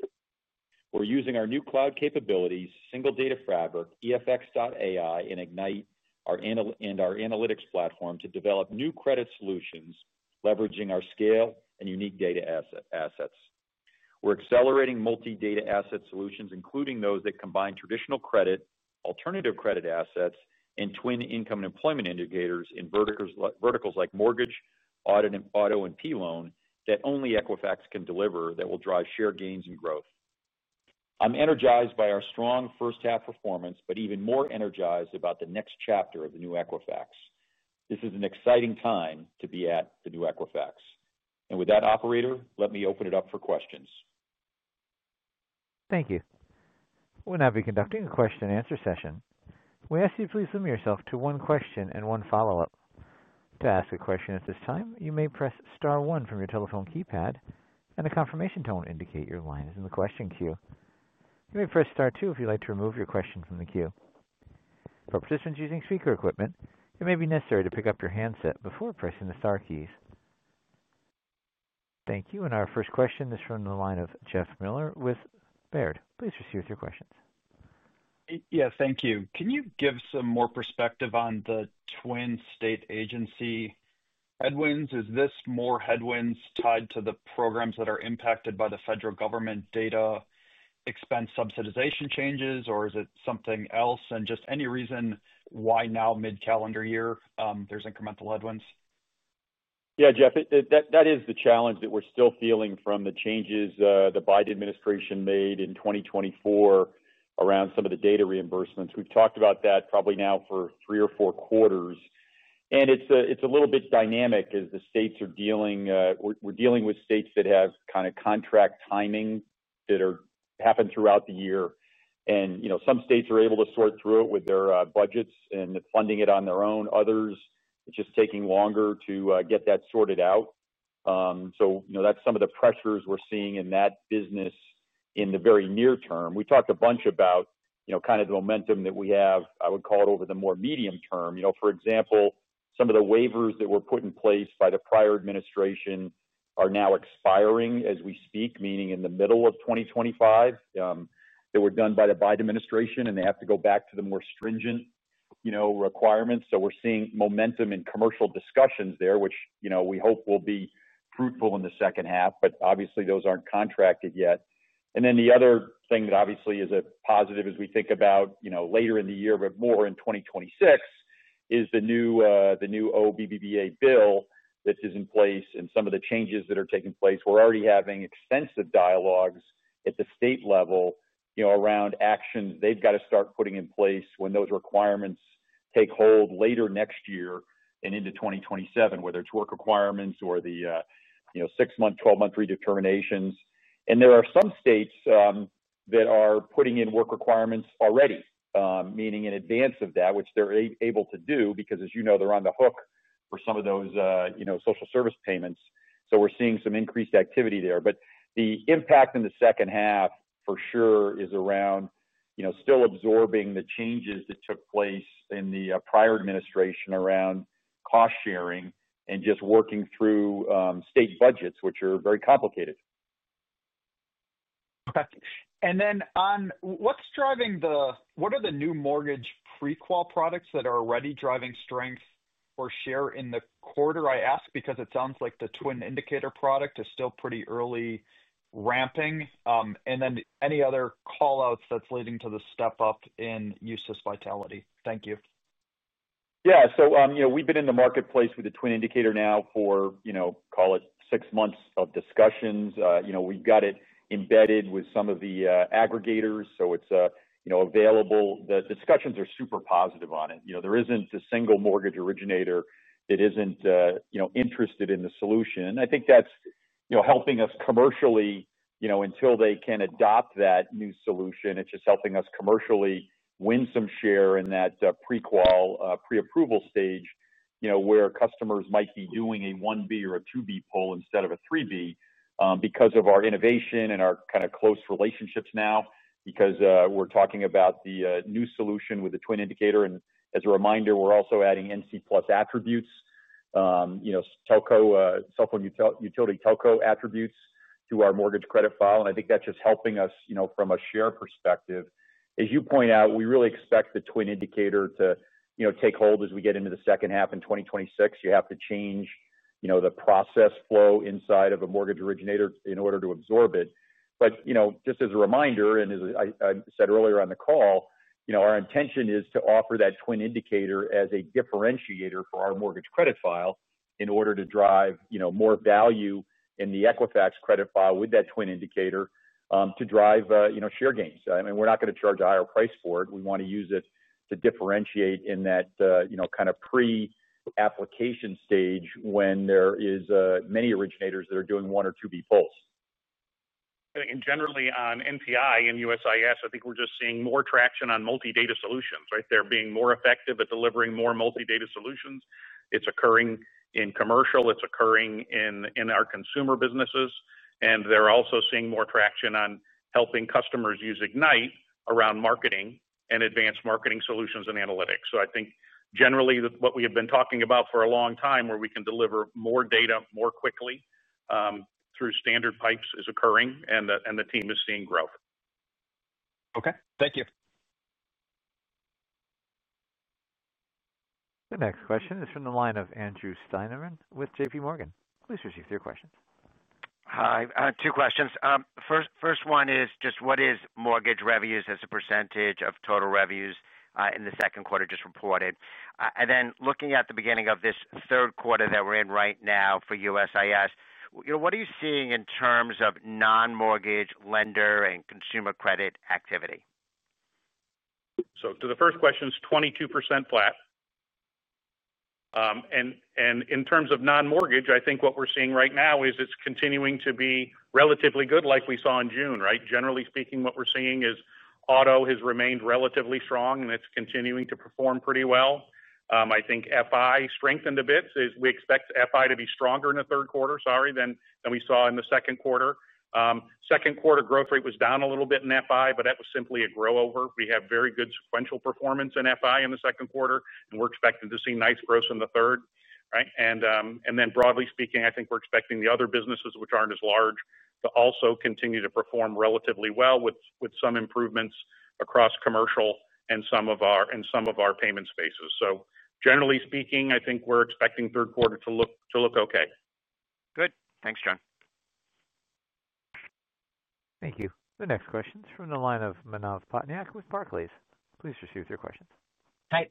We're using our new cloud capabilities, Single Data Fabric, EFX.AI, and Ignite, and our analytics platform to develop new credit solutions, leveraging our scale and unique data assets. We're accelerating multi-data asset solutions, including those that combine traditional credit, alternative credit assets, and TWIN income and employment indicators in verticals like mortgage, auto, and P-loan that only Equifax can deliver that will drive share gains and growth. I'm energized by our strong first half performance, but even more energized about the next chapter of the new Equifax. This is an exciting time to be at the new Equifax. With that, operator, let me open it up for questions. Thank you. We're now beginning a question-and-answer session. We ask that you please limit yourself to one question and one follow-up. To ask a question at this time, you may press star one from your telephone keypad, and a confirmation tone will indicate your line is in the question queue. You may press star two if you'd like to remove your question from the queue. For participants using speaker equipment, it may be necessary to pick up your handset before pressing the star keys. Thank you. Our first question is from the line of Jeff Meuler with Baird. Please proceed with your questions. Yeah, thank you. Can you give some more perspective on the TWIN state agency headwinds? Is this more headwinds tied to the programs that are impacted by the federal government data, expense subsidization changes, or is it something else? Any reason why now mid-calendar year there's incremental headwinds? Yeah, Jeff, that is the challenge that we're still feeling from the changes the Biden administration made in 2024 around some of the data reimbursements. We've talked about that probably now for three or four quarters. It's a little bit dynamic as the states are dealing, we're dealing with states that have kind of contract timing that happens throughout the year. Some states are able to sort through it with their budgets and funding it on their own. Others, it's just taking longer to get that sorted out. That's some of the pressures we're seeing in that business in the very near term. We talked a bunch about kind of the momentum that we have. I would call it over the more medium term. For example, some of the waivers that were put in place by the prior administration are now expiring as we speak, meaning in the middle of 2025. That were done by the Biden administration, and they have to go back to the more stringent requirements. We are seeing momentum in commercial discussions there, which we hope will be fruitful in the second half. Obviously, those are not contracted yet. The other thing that obviously is a positive as we think about later in the year, but more in 2026, is the new OBBBA bill that is in place and some of the changes that are taking place. We are already having extensive dialogues at the state level around actions they have got to start putting in place when those requirements take hold later next year and into 2027, whether it is work requirements or the 6-month, 12-month redeterminations. There are some states that are putting in work requirements already, meaning in advance of that, which they are able to do because, as you know, they are on the hook for some of those social service payments. We are seeing some increased activity there. The impact in the second half, for sure, is around still absorbing the changes that took place in the prior administration around cost sharing and just working through state budgets, which are very complicated. On what is driving the, what are the new mortgage pre-qual products that are already driving strength or share in the quarter? I ask because it sounds like the TWIN Indicator product is still pretty early ramping. Any other callouts that are leading to the step up in USIS Vitality? Thank you. Yeah. We have been in the marketplace with the TWIN Indicator now for, call it, six months of discussions. We have got it embedded with some of the aggregators, so it is available. The discussions are super positive on it. There is not a single mortgage originator that is not interested in the solution. I think that is helping us commercially until they can adopt that new solution. It is just helping us commercially win some share in that pre-qual, pre-approval stage where customers might be doing a 1B or a 2B pull instead of a 3B because of our innovation and our kind of close relationships now, because we are talking about the new solution with the TWIN Indicator. As a reminder, we are also adding NC Plus attributes, telco, cell phone utility telco attributes to our mortgage credit file. I think that is just helping us from a share perspective. As you point out, we really expect the TWIN Indicator to take hold as we get into the second half in 2026. You have to change the process flow inside of a mortgage originator in order to absorb it. But just as a reminder, and as I said earlier on the call, our intention is to offer that TWIN Indicator as a differentiator for our mortgage credit file in order to drive more value in the Equifax credit file with that TWIN Indicator to drive share gains. I mean, we're not going to charge a higher price for it. We want to use it to differentiate in that kind of pre-application stage when there are many originators that are doing one or two B polls. And generally on NPI and USIS, I think we're just seeing more traction on multi-data solutions, right? They're being more effective at delivering more multi-data solutions. It's occurring in commercial. It's occurring in our consumer businesses. And they're also seeing more traction on helping customers use Ignite around marketing and advanced marketing solutions and analytics. I think generally what we have been talking about for a long time, where we can deliver more data more quickly through standard pipes, is occurring, and the team is seeing growth. Okay. Thank you. The next question is from the line of Andrew Steinerman with JPMorgan. Please proceed with your questions. Hi. Two questions. First one is just what is mortgage revenues as a percentage of total revenues in the second quarter just reported? And then looking at the beginning of this third quarter that we're in right now for USIS, what are you seeing in terms of non-mortgage lender and consumer credit activity? To the first question, it's 22% flat. And in terms of non-mortgage, I think what we're seeing right now is it's continuing to be relatively good, like we saw in June, right? Generally speaking, what we're seeing is auto has remained relatively strong, and it's continuing to perform pretty well. I think FI strengthened a bit. We expect FI to be stronger in the third quarter, sorry, than we saw in the second quarter. Second quarter growth rate was down a little bit in FI, but that was simply a grow-over. We have very good sequential performance in FI in the second quarter, and we're expecting to see nice growth in the third, right? And then broadly speaking, I think we're expecting the other businesses, which aren't as large, to also continue to perform relatively well with some improvements across commercial and some of our payment spaces. Generally speaking, I think we're expecting third quarter to look okay. Good. Thanks, John. Thank you. The next question is from the line of Manav Patnaik with Barclays. Please proceed with your questions. Hi.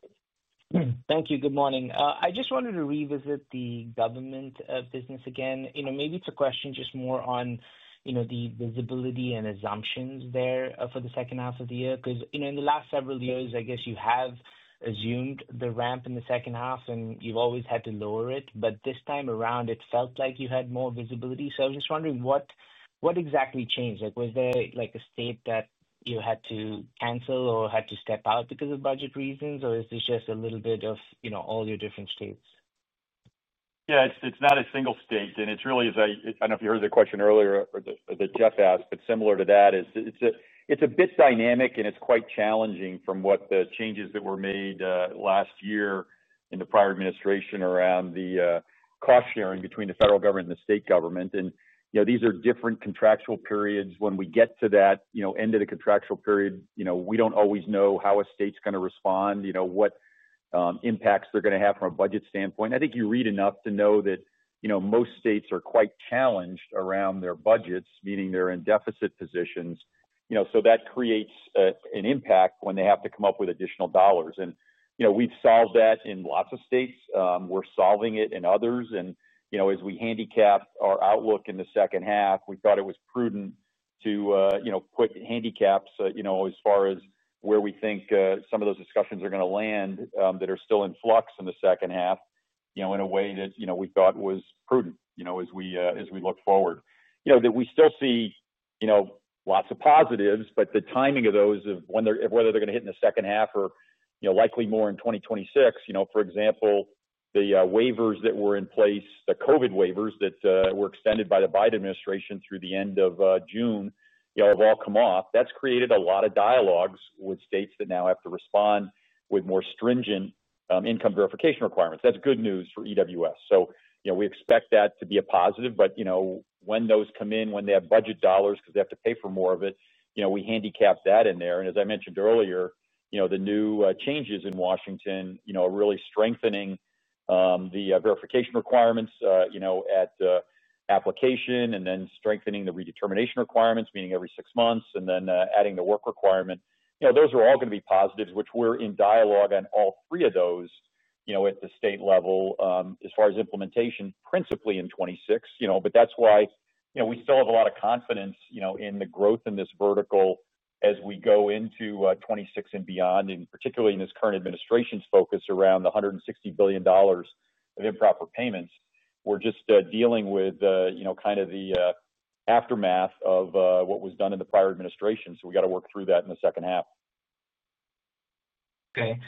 Thank you. Good morning. I just wanted to revisit the government business again. Maybe it's a question just more on the visibility and assumptions there for the second half of the year. Because in the last several years, I guess you have assumed the ramp in the second half, and you've always had to lower it. This time around, it felt like you had more visibility. I was just wondering what exactly changed? Was there a state that you had to cancel or had to step out because of budget reasons, or is this just a little bit of all your different states? Yeah, it's not a single state. It's really, as I, I don't know if you heard the question earlier that Jeff asked, but similar to that, it's a bit dynamic, and it's quite challenging from what the changes that were made last year in the prior administration around the cost sharing between the federal government and the state government. These are different contractual periods. When we get to that end of the contractual period, we don't always know how a state's going to respond, what impacts they're going to have from a budget standpoint. I think you read enough to know that most states are quite challenged around their budgets, meaning they're in deficit positions. That creates an impact when they have to come up with additional dollars. We've solved that in lots of states. We're solving it in others. As we handicapped our outlook in the second half, we thought it was prudent to put handicaps as far as where we think some of those discussions are going to land that are still in flux in the second half in a way that we thought was prudent as we look forward. We still see lots of positives, but the timing of those, of whether they're going to hit in the second half or likely more in 2026, for example, the waivers that were in place, the COVID waivers that were extended by the Biden administration through the end of June, have all come off. That has created a lot of dialogues with states that now have to respond with more stringent income verification requirements. That's good news for EWS. We expect that to be a positive. When those come in, when they have budget dollars because they have to pay for more of it, we handicapped that in there. As I mentioned earlier, the new changes in Washington are really strengthening the verification requirements at application and then strengthening the redetermination requirements, meaning every six months, and then adding the work requirement. Those are all going to be positives, which we're in dialogue on all three of those at the state level as far as implementation principally in 2026. That's why we still have a lot of confidence in the growth in this vertical as we go into 2026 and beyond, and particularly in this current administration's focus around the $160 billion of improper payments. We're just dealing with kind of the aftermath of what was done in the prior administration. We got to work through that in the second half. Okay.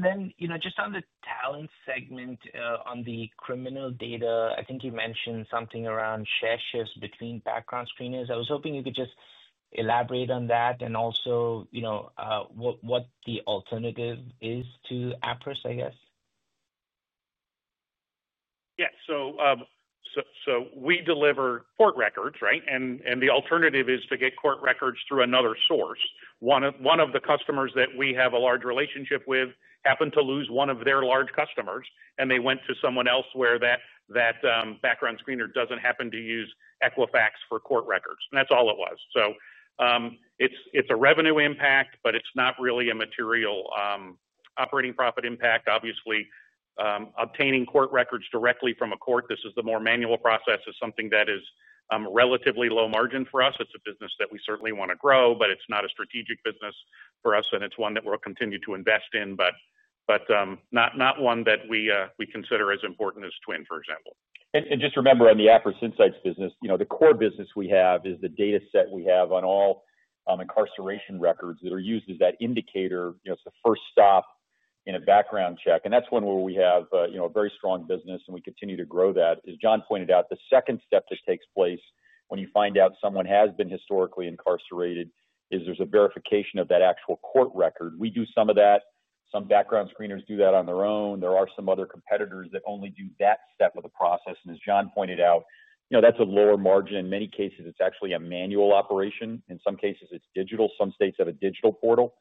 Then just on the talent segment, on the criminal data, I think you mentioned something around share shifts between background screeners. I was hoping you could just elaborate on that and also what the alternative is to Appriss, I guess? Yeah. So, we deliver court records, right? And the alternative is to get court records through another source. One of the customers that we have a large relationship with happened to lose one of their large customers, and they went to someone else where that background screener does not happen to use Equifax for court records. And that is all it was. So, it is a revenue impact, but it is not really a material operating profit impact. Obviously, obtaining court records directly from a court, this is the more manual process, is something that is relatively low margin for us. It is a business that we certainly want to grow, but it is not a strategic business for us, and it is one that we will continue to invest in, but not one that we consider as important as TWIN, for example. And just remember, on the Appriss Insights business, the core business we have is the dataset we have on all incarceration records that are used as that indicator. It is the first stop in a background check. And that is one where we have a very strong business, and we continue to grow that. As John pointed out, the second step that takes place when you find out someone has been historically incarcerated is there is a verification of that actual court record. We do some of that. Some background screeners do that on their own. There are some other competitors that only do that step of the process. And as John pointed out, that is a lower margin. In many cases, it is actually a manual operation. In some cases, it is digital. Some states have a digital portal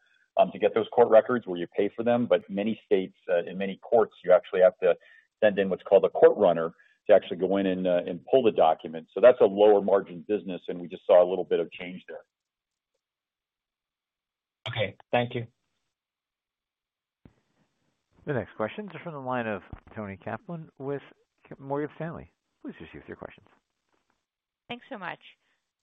to get those court records where you pay for them. But many states and many courts, you actually have to send in what is called a court runner to actually go in and pull the document. So, that is a lower margin business, and we just saw a little bit of change there. Okay. Thank you. The next question is from the line of Toni Kaplan with Morgan Stanley. Please proceed with your questions. Thanks so much.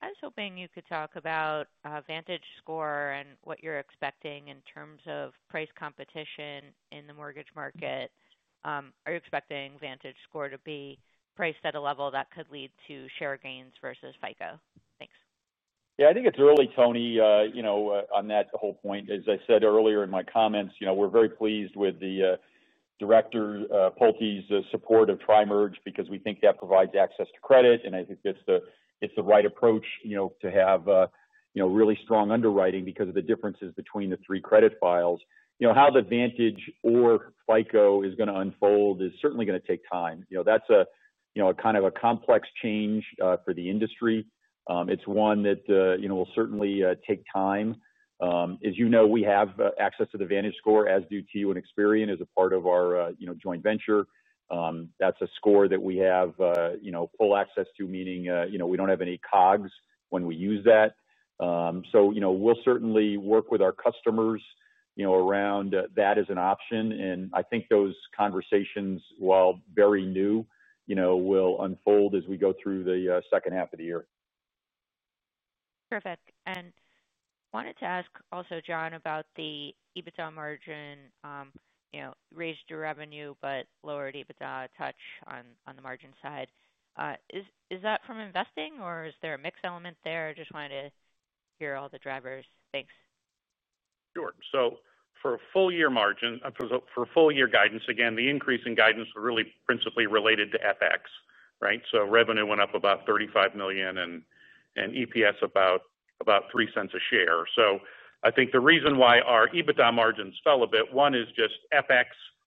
I was hoping you could talk about VantageScore and what you are expecting in terms of price competition in the mortgage market. Are you expecting VantageScore to be priced at a level that could lead to share gains versus FICO? Thanks. Yeah. I think it is early, Toni, on that whole point. As I said earlier in my comments, we are very pleased with the Director Pulte's support of tri-merge because we think that provides access to credit. And I think it is the right approach to have really strong underwriting because of the differences between the three credit files. How the Vantage or FICO is going to unfold is certainly going to take time. That is a kind of a complex change for the industry. It is one that will certainly take time. As you know, we have access to the VantageScore, as do TU and Experian as a part of our joint venture. That's a score that we have full access to, meaning we don't have any COGS when we use that. We'll certainly work with our customers around that as an option. I think those conversations, while very new, will unfold as we go through the second half of the year. Perfect. I wanted to ask also, John, about the EBITDA margin. Raised your revenue but lowered EBITDA a touch on the margin side. Is that from investing, or is there a mixed element there? Just wanted to hear all the drivers. Thanks. Sure. For full-year guidance, again, the increase in guidance was really principally related to FX, right? Revenue went up about $35 million and EPS about $0.03 a share. I think the reason why our EBITDA margins fell a bit, one is just FX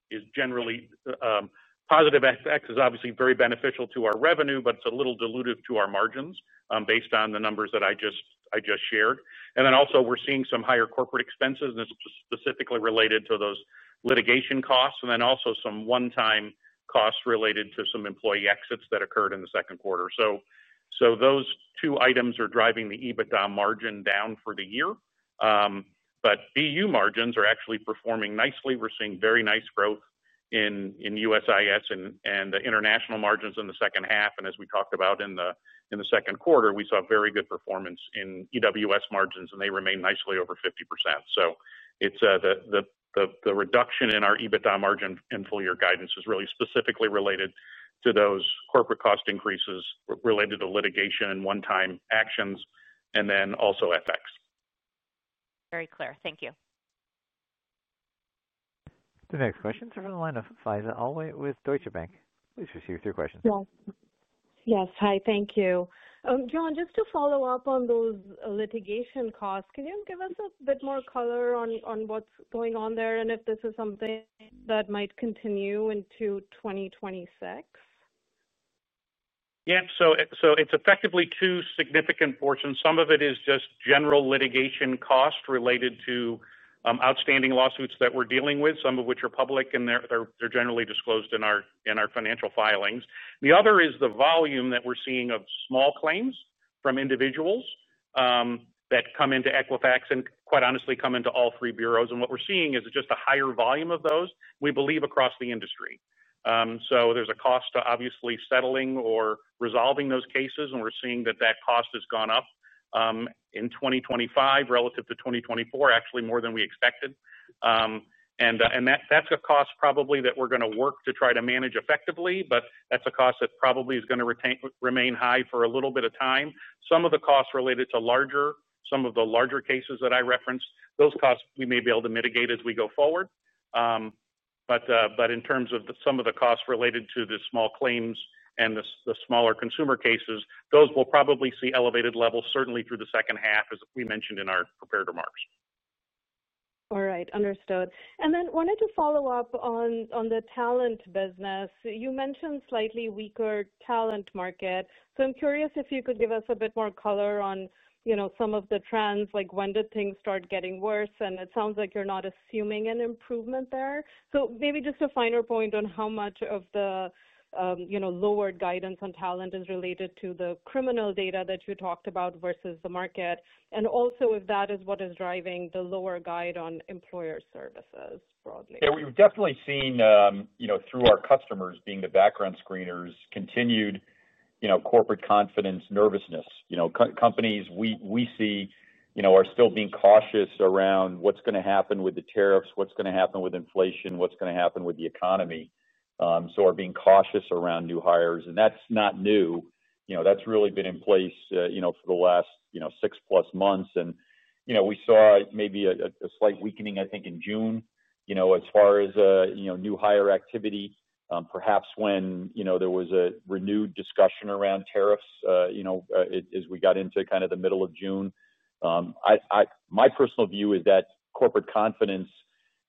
is generally positive. FX is obviously very beneficial to our revenue, but it's a little diluted to our margins based on the numbers that I just shared. Also, we're seeing some higher corporate expenses, and it's specifically related to those litigation costs, and then also some one-time costs related to some employee exits that occurred in the second quarter. Those two items are driving the EBITDA margin down for the year. BU margins are actually performing nicely. We're seeing very nice growth in USIS and the international margins in the second half. As we talked about in the second quarter, we saw very good performance in EWS margins, and they remain nicely over 50%. The reduction in our EBITDA margin in full-year guidance is really specifically related to those corporate cost increases related to litigation and one-time actions, and also FX. Very clear. Thank you. The next questions are from the line of Faiza Alwy with Deutsche Bank. Please proceed with your questions. Yes. Hi. Thank you. John, just to follow up on those litigation costs, can you give us a bit more color on what's going on there and if this is something that might continue into 2026? Yeah. It's effectively two significant portions. Some of it is just general litigation costs related to outstanding lawsuits that we're dealing with, some of which are public, and they're generally disclosed in our financial filings. The other is the volume that we're seeing of small claims from individuals that come into Equifax and, quite honestly, come into all three bureaus. What we're seeing is just a higher volume of those, we believe, across the industry. There's a cost to obviously settling or resolving those cases, and we're seeing that that cost has gone up in 2025 relative to 2024, actually more than we expected. That's a cost probably that we're going to work to try to manage effectively, but that's a cost that probably is going to remain high for a little bit of time. Some of the costs related to some of the larger cases that I referenced, those costs we may be able to mitigate as we go forward. In terms of some of the costs related to the small claims and the smaller consumer cases, those will probably see elevated levels, certainly through the second half, as we mentioned in our prepared remarks. All right. Understood. I wanted to follow up on the talent business. You mentioned slightly weaker talent market. I'm curious if you could give us a bit more color on some of the trends, like when did things start getting worse? It sounds like you're not assuming an improvement there? Maybe just a finer point on how much of the lowered guidance on talent is related to the criminal data that you talked about versus the market, and also if that is what is driving the lower guide on employer services broadly. Yeah. We've definitely seen through our customers, being the background screeners, continued corporate confidence, nervousness. Companies we see are still being cautious around what's going to happen with the tariffs, what's going to happen with inflation, what's going to happen with the economy. They are being cautious around new hires. That's not new. That's really been in place for the last 6+ months. We saw maybe a slight weakening, I think, in June as far as new hire activity, perhaps when there was a renewed discussion around tariffs as we got into kind of the middle of June. My personal view is that corporate confidence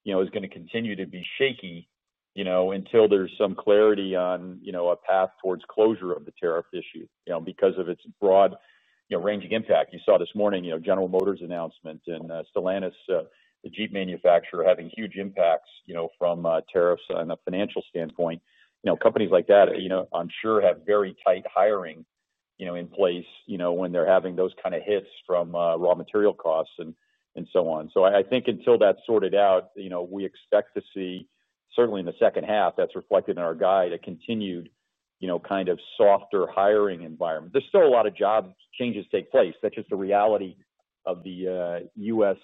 is going to continue to be shaky until there's some clarity on a path towards closure of the tariff issue because of its broad-ranging impact. You saw this morning General Motors' announcement, and Stellantis, the Jeep manufacturer, having huge impacts from tariffs on a financial standpoint. Companies like that, I'm sure, have very tight hiring in place when they're having those kind of hits from raw material costs and so on. I think until that's sorted out, we expect to see, certainly in the second half, that's reflected in our guide, a continued kind of softer hiring environment. There's still a lot of job changes take place. That's just the reality of the U.S.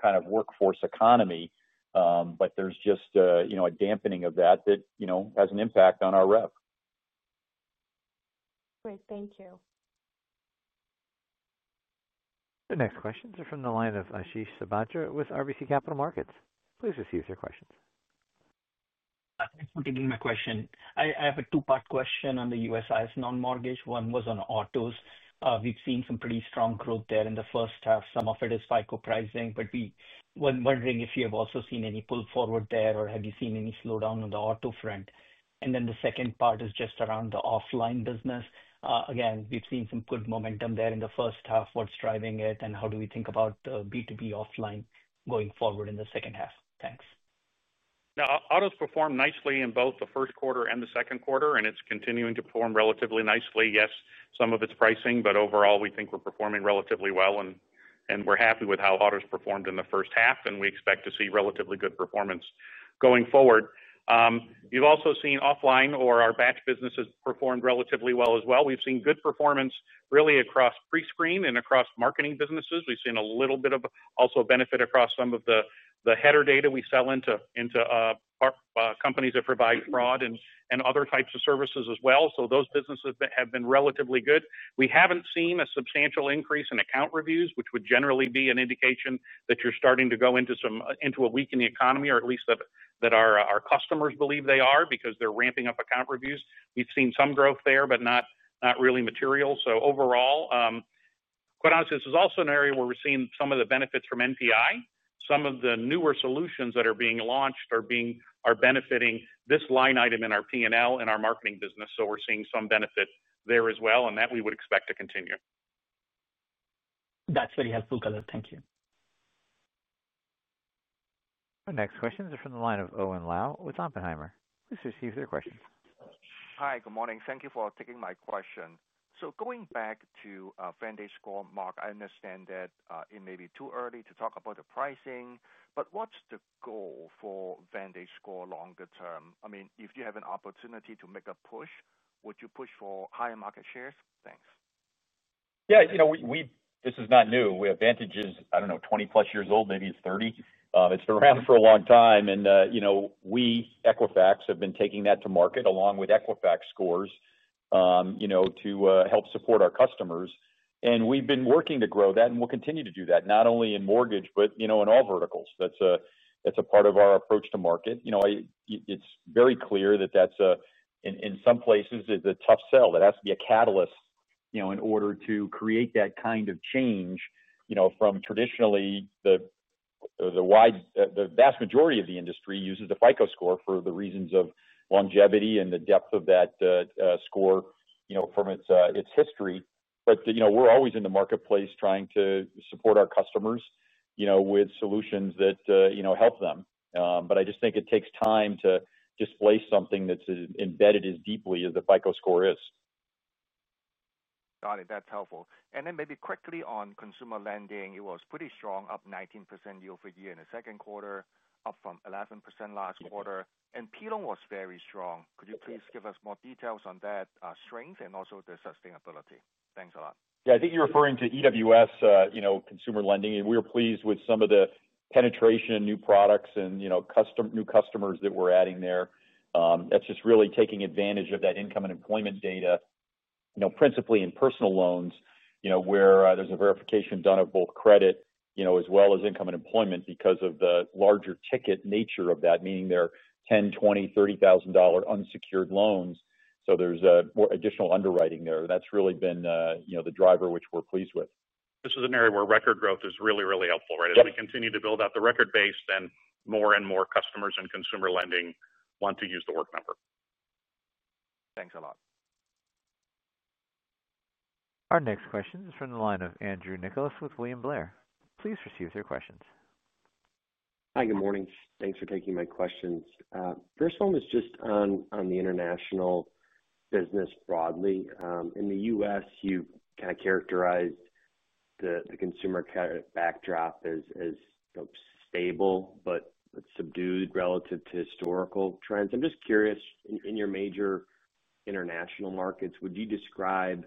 kind of workforce economy. There's just a dampening of that that has an impact on our rep. Great. Thank you. The next questions are from the line of Ashish Sabadra with RBC Capital Markets. Please proceed with your questions. Thanks for taking my question. I have a two-part question on the USIS non-mortgage. One was on autos. We've seen some pretty strong growth there in the first half. Some of it is FICO pricing, but wondering if you have also seen any pull forward there, or have you seen any slowdown on the auto front? The second part is just around the offline business. Again, we have seen some good momentum there in the first half. What is driving it, and how do we think about the B2B offline going forward in the second half? Thanks. Now, autos performed nicely in both the first quarter and the second quarter, and it is continuing to perform relatively nicely. Yes, some of it is pricing, but overall, we think we are performing relatively well, and we are happy with how autos performed in the first half, and we expect to see relatively good performance going forward. You have also seen offline or our batch businesses performed relatively well as well. We have seen good performance really across pre-screen and across marketing businesses. We have seen a little bit of also benefit across some of the header data we sell into companies that provide fraud and other types of services as well. Those businesses have been relatively good. We have not seen a substantial increase in account reviews, which would generally be an indication that you are starting to go into a weakening economy, or at least that our customers believe they are because they are ramping up account reviews. We have seen some growth there, but not really material. Overall, quite honestly, this is also an area where we are seeing some of the benefits from NPI. Some of the newer solutions that are being launched are benefiting this line item in our P&L and our marketing business. We are seeing some benefit there as well, and that we would expect to continue. That is very helpful color. Thank you. The next questions are from the line of Owen Lau with Oppenheimer. Please proceed with your questions. Hi. Good morning. Thank you for taking my question. Going back to VantageScore, Mark, I understand that it may be too early to talk about the pricing, but what is the goal for VantageScore longer term? I mean, if you have an opportunity to make a push, would you push for higher market shares? Thanks. Yeah. This is not new. We have Vantage's, I do not know, 20-plus years old, maybe it is 30. It has been around for a long time. We, Equifax, have been taking that to market along with Equifax scores to help support our customers. We have been working to grow that, and we will continue to do that, not only in mortgage, but in all verticals. That is a part of our approach to market. It is very clear that in some places, it is a tough sell. It has to be a catalyst in order to create that kind of change. Traditionally, the vast majority of the industry uses the FICO score for the reasons of longevity and the depth of that score from its history. We are always in the marketplace trying to support our customers with solutions that help them. I just think it takes time to displace something that's embedded as deeply as the FICO score is. Got it. That's helpful. Maybe quickly on consumer lending, it was pretty strong, up 19% year-over-year in the second quarter, up from 11% last quarter. P-loan was very strong. Could you please give us more details on that strength and also the sustainability? Thanks a lot. Yeah. I think you're referring to EWS consumer lending, and we were pleased with some of the penetration and new products and new customers that we're adding there. That's just really taking advantage of that income and employment data. Principally in personal loans where there's a verification done of both credit as well as income and employment because of the larger ticket nature of that, meaning they're $10,000, $20,000, $30,000 unsecured loans. There's additional underwriting there. That's really been the driver, which we're pleased with. This is an area where record growth is really, really helpful, right? As we continue to build out the record base, then more and more customers and consumer lending want to use The Work Number. Thanks a lot. Our next question is from the line of Andrew Nicholas with William Blair. Please proceed with your questions. Hi. Good morning. Thanks for taking my questions. First one was just on the international business broadly. In the U.S., you kind of characterized the consumer backdrop as stable but subdued relative to historical trends. I'm just curious, in your major international markets, would you describe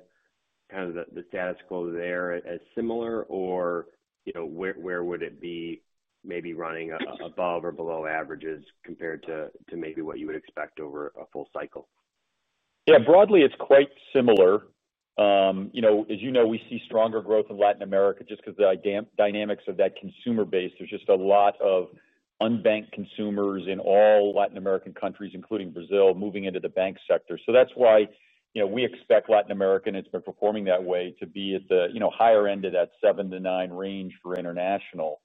kind of the status quo there as similar, or where would it be maybe running above or below averages compared to maybe what you would expect over a full cycle? Yeah. Broadly, it's quite similar. As you know, we see stronger growth in Latin America just because of the dynamics of that consumer base. There's just a lot of unbanked consumers in all Latin American countries, including Brazil, moving into the bank sector. That's why we expect Latin America, and it's been performing that way, to be at the higher end of that 7%-9% range for international.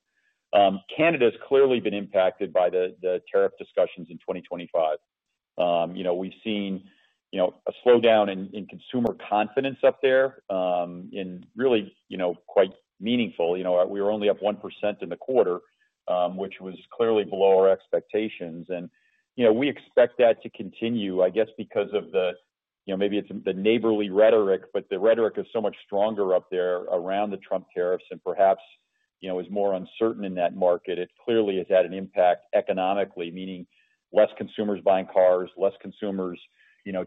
Canada has clearly been impacted by the tariff discussions in 2025. We've seen a slowdown in consumer confidence up there. Really quite meaningful. We were only up 1% in the quarter, which was clearly below our expectations. We expect that to continue, I guess, because of the, maybe it's the neighborly rhetoric, but the rhetoric is so much stronger up there around the Trump tariffs and perhaps is more uncertain in that market. It clearly has had an impact economically, meaning fewer consumers buying cars, fewer consumers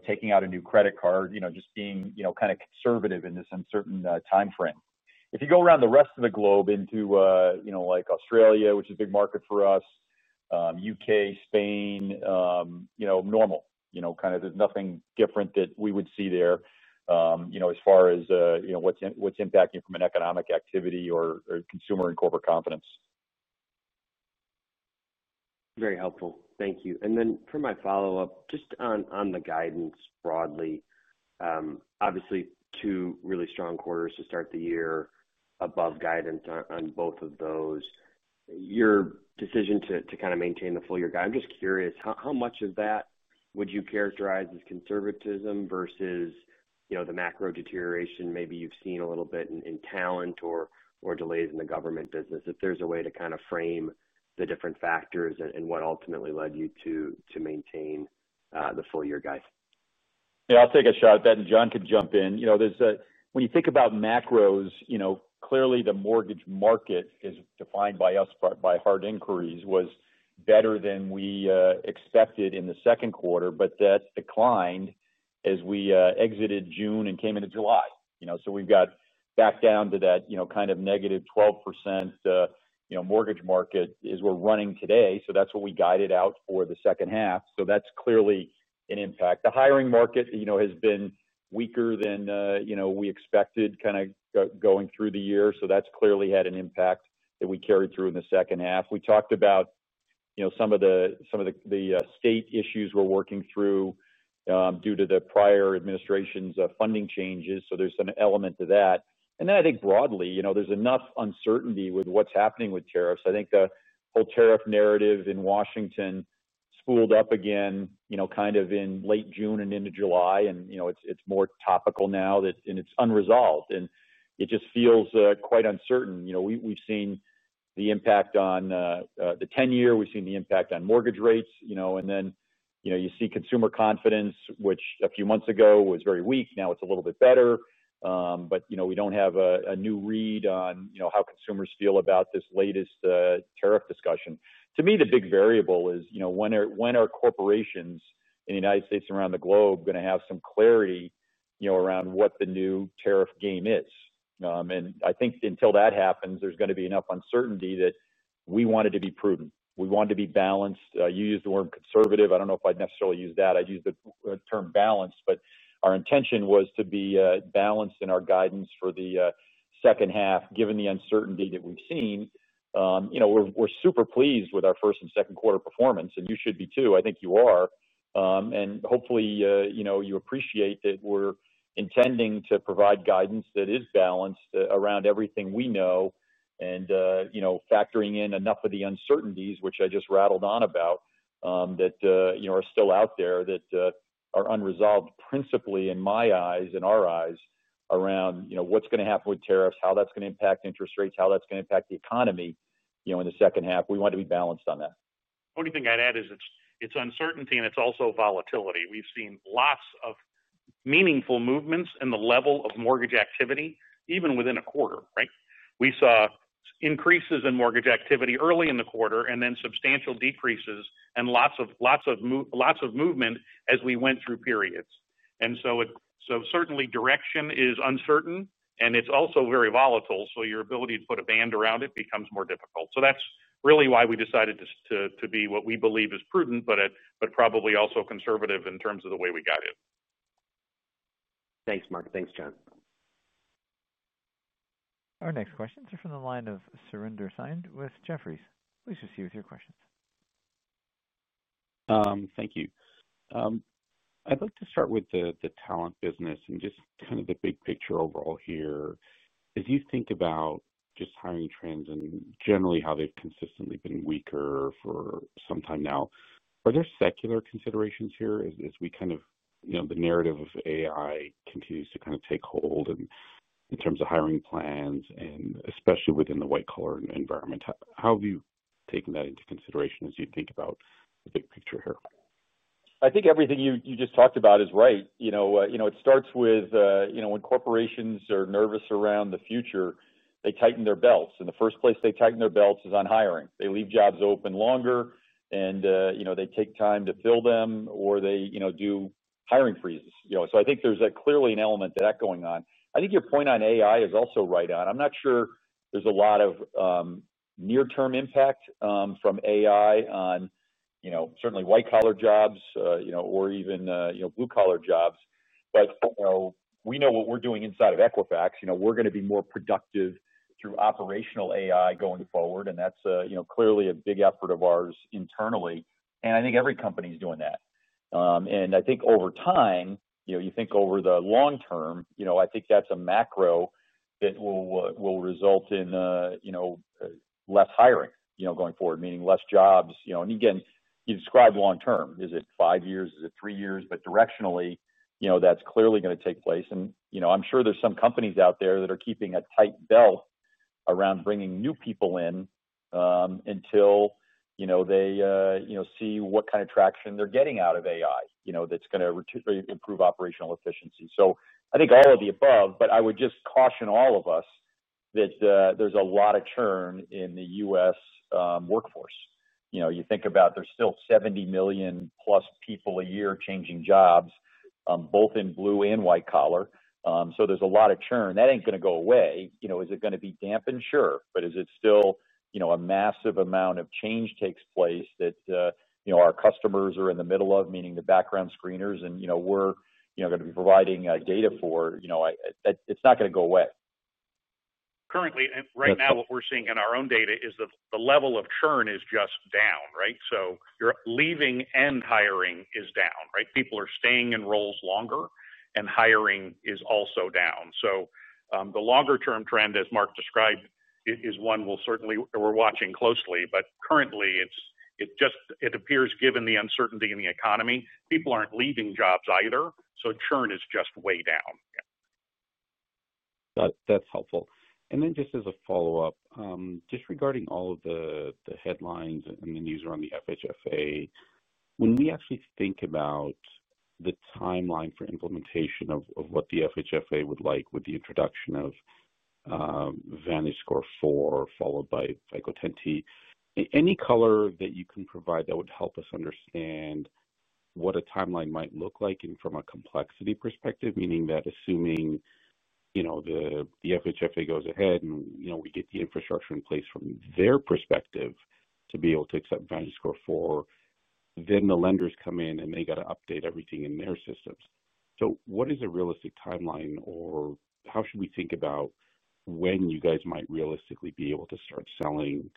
taking out a new credit card, just being kind of conservative in this uncertain timeframe. If you go around the rest of the globe into Australia, which is a big market for us, U.K., Spain, normal. Kind of there's nothing different that we would see there. As far as what's impacting from an economic activity or consumer and corporate confidence. Very helpful. Thank you. And then for my follow-up, just on the guidance broadly. Obviously, two really strong quarters to start the year, above guidance on both of those. Your decision to kind of maintain the full-year guide, I'm just curious, how much of that would you characterize as conservatism versus the macro deterioration maybe you've seen a little bit in talent or delays in the government business? If there's a way to kind of frame the different factors and what ultimately led you to maintain the full-year guide? Yeah. I'll take a shot at that, and John could jump in. When you think about macros. Clearly, the mortgage market as defined by hard inquiries was better than we expected in the second quarter, but that declined as we exited June and came into July. So we've got back down to that kind of -12% mortgage market as we're running today. So that's what we guided out for the second half. So that's clearly an impact. The hiring market has been weaker than we expected kind of going through the year. So that's clearly had an impact that we carried through in the second half. We talked about some of the state issues we're working through due to the prior administration's funding changes. So there's an element to that. I think broadly, there's enough uncertainty with what's happening with tariffs. I think the whole tariff narrative in Washington spooled up again kind of in late June and into July, and it's more topical now, and it's unresolved. It just feels quite uncertain. We've seen the impact on the 10-year. We've seen the impact on mortgage rates. You see consumer confidence, which a few months ago was very weak. Now it's a little bit better. We don't have a new read on how consumers feel about this latest tariff discussion. To me, the big variable is when are corporations in the United States and around the globe going to have some clarity around what the new tariff game is? I think until that happens, there's going to be enough uncertainty that we wanted to be prudent. We wanted to be balanced. You used the word conservative. I don't know if I'd necessarily use that. I'd use the term balanced. Our intention was to be balanced in our guidance for the second half, given the uncertainty that we've seen. We're super pleased with our first and second quarter performance, and you should be too. I think you are. Hopefully, you appreciate that we're intending to provide guidance that is balanced around everything we know and factoring in enough of the uncertainties, which I just rattled on about. That are still out there that are unresolved, principally in my eyes, in our eyes, around what's going to happen with tariffs, how that's going to impact interest rates, how that's going to impact the economy in the second half. We want to be balanced on that. The only thing I'd add is it's uncertainty, and it's also volatility. We've seen lots of meaningful movements in the level of mortgage activity, even within a quarter, right? We saw increases in mortgage activity early in the quarter and then substantial decreases and lots of movement as we went through periods. Certainly, direction is uncertain, and it's also very volatile. Your ability to put a band around it becomes more difficult. That's really why we decided to be what we believe is prudent, but probably also conservative in terms of the way we guide it. Thanks, Mark. Thanks, John. Our next questions are from the line of Surinder Thind with Jefferies. Please proceed with your questions. Thank you. I'd like to start with the talent business and just kind of the big picture overall here. As you think about just hiring trends and generally how they've consistently been weaker for some time now, are there secular considerations here as we kind of the narrative of AI continues to kind of take hold in terms of hiring plans, and especially within the white-collar environment? How have you taken that into consideration as you think about the big picture here? I think everything you just talked about is right. It starts with when corporations are nervous around the future, they tighten their belts. The first place they tighten their belts is on hiring. They leave jobs open longer, and they take time to fill them, or they do hiring freezes. I think there's clearly an element of that going on. I think your point on AI is also right on. I'm not sure there's a lot of near-term impact from AI on certainly white-collar jobs or even blue-collar jobs. We know what we're doing inside of Equifax. We're going to be more productive through operational AI going forward, and that's clearly a big effort of ours internally. I think every company is doing that. I think over time, you think over the long term, I think that's a macro that will result in less hiring going forward, meaning less jobs. Again, you described long-term. Is it five years? Is it three years? Directionally, that's clearly going to take place. I'm sure there's some companies out there that are keeping a tight belt around bringing new people in until they see what kind of traction they're getting out of AI that's going to improve operational efficiency. I think all of the above, but I would just caution all of us that there's a lot of churn in the U.S. workforce. You think about there's still 70 million+ people a year changing jobs, both in blue and white-collar. So there's a lot of churn. That ain't going to go away. Is it going to be dampened? Sure. But is it still a massive amount of change that takes place that our customers are in the middle of, meaning the background screeners, and we're going to be providing data for? It's not going to go away. Currently, right now, what we're seeing in our own data is the level of churn is just down, right? So your leaving and hiring is down, right? People are staying in roles longer, and hiring is also down. The longer-term trend, as Mark described, is one we'll certainly be watching closely. Currently, it appears, given the uncertainty in the economy, people aren't leaving jobs either. So churn is just way down down. That's helpful. And then just as a follow-up, just regarding all of the headlines and the news around the FHFA, when we actually think about the timeline for implementation of what the FHFA would like with the introduction of VantageScore 4 followed by FICO 10T, any color that you can provide that would help us understand what a timeline might look like from a complexity perspective, meaning that assuming the FHFA goes ahead and we get the infrastructure in place from their perspective to be able to accept VantageScore 4. Then the lenders come in, and they got to update everything in their systems. What is a realistic timeline, or how should we think about when you guys might realistically be able to start selling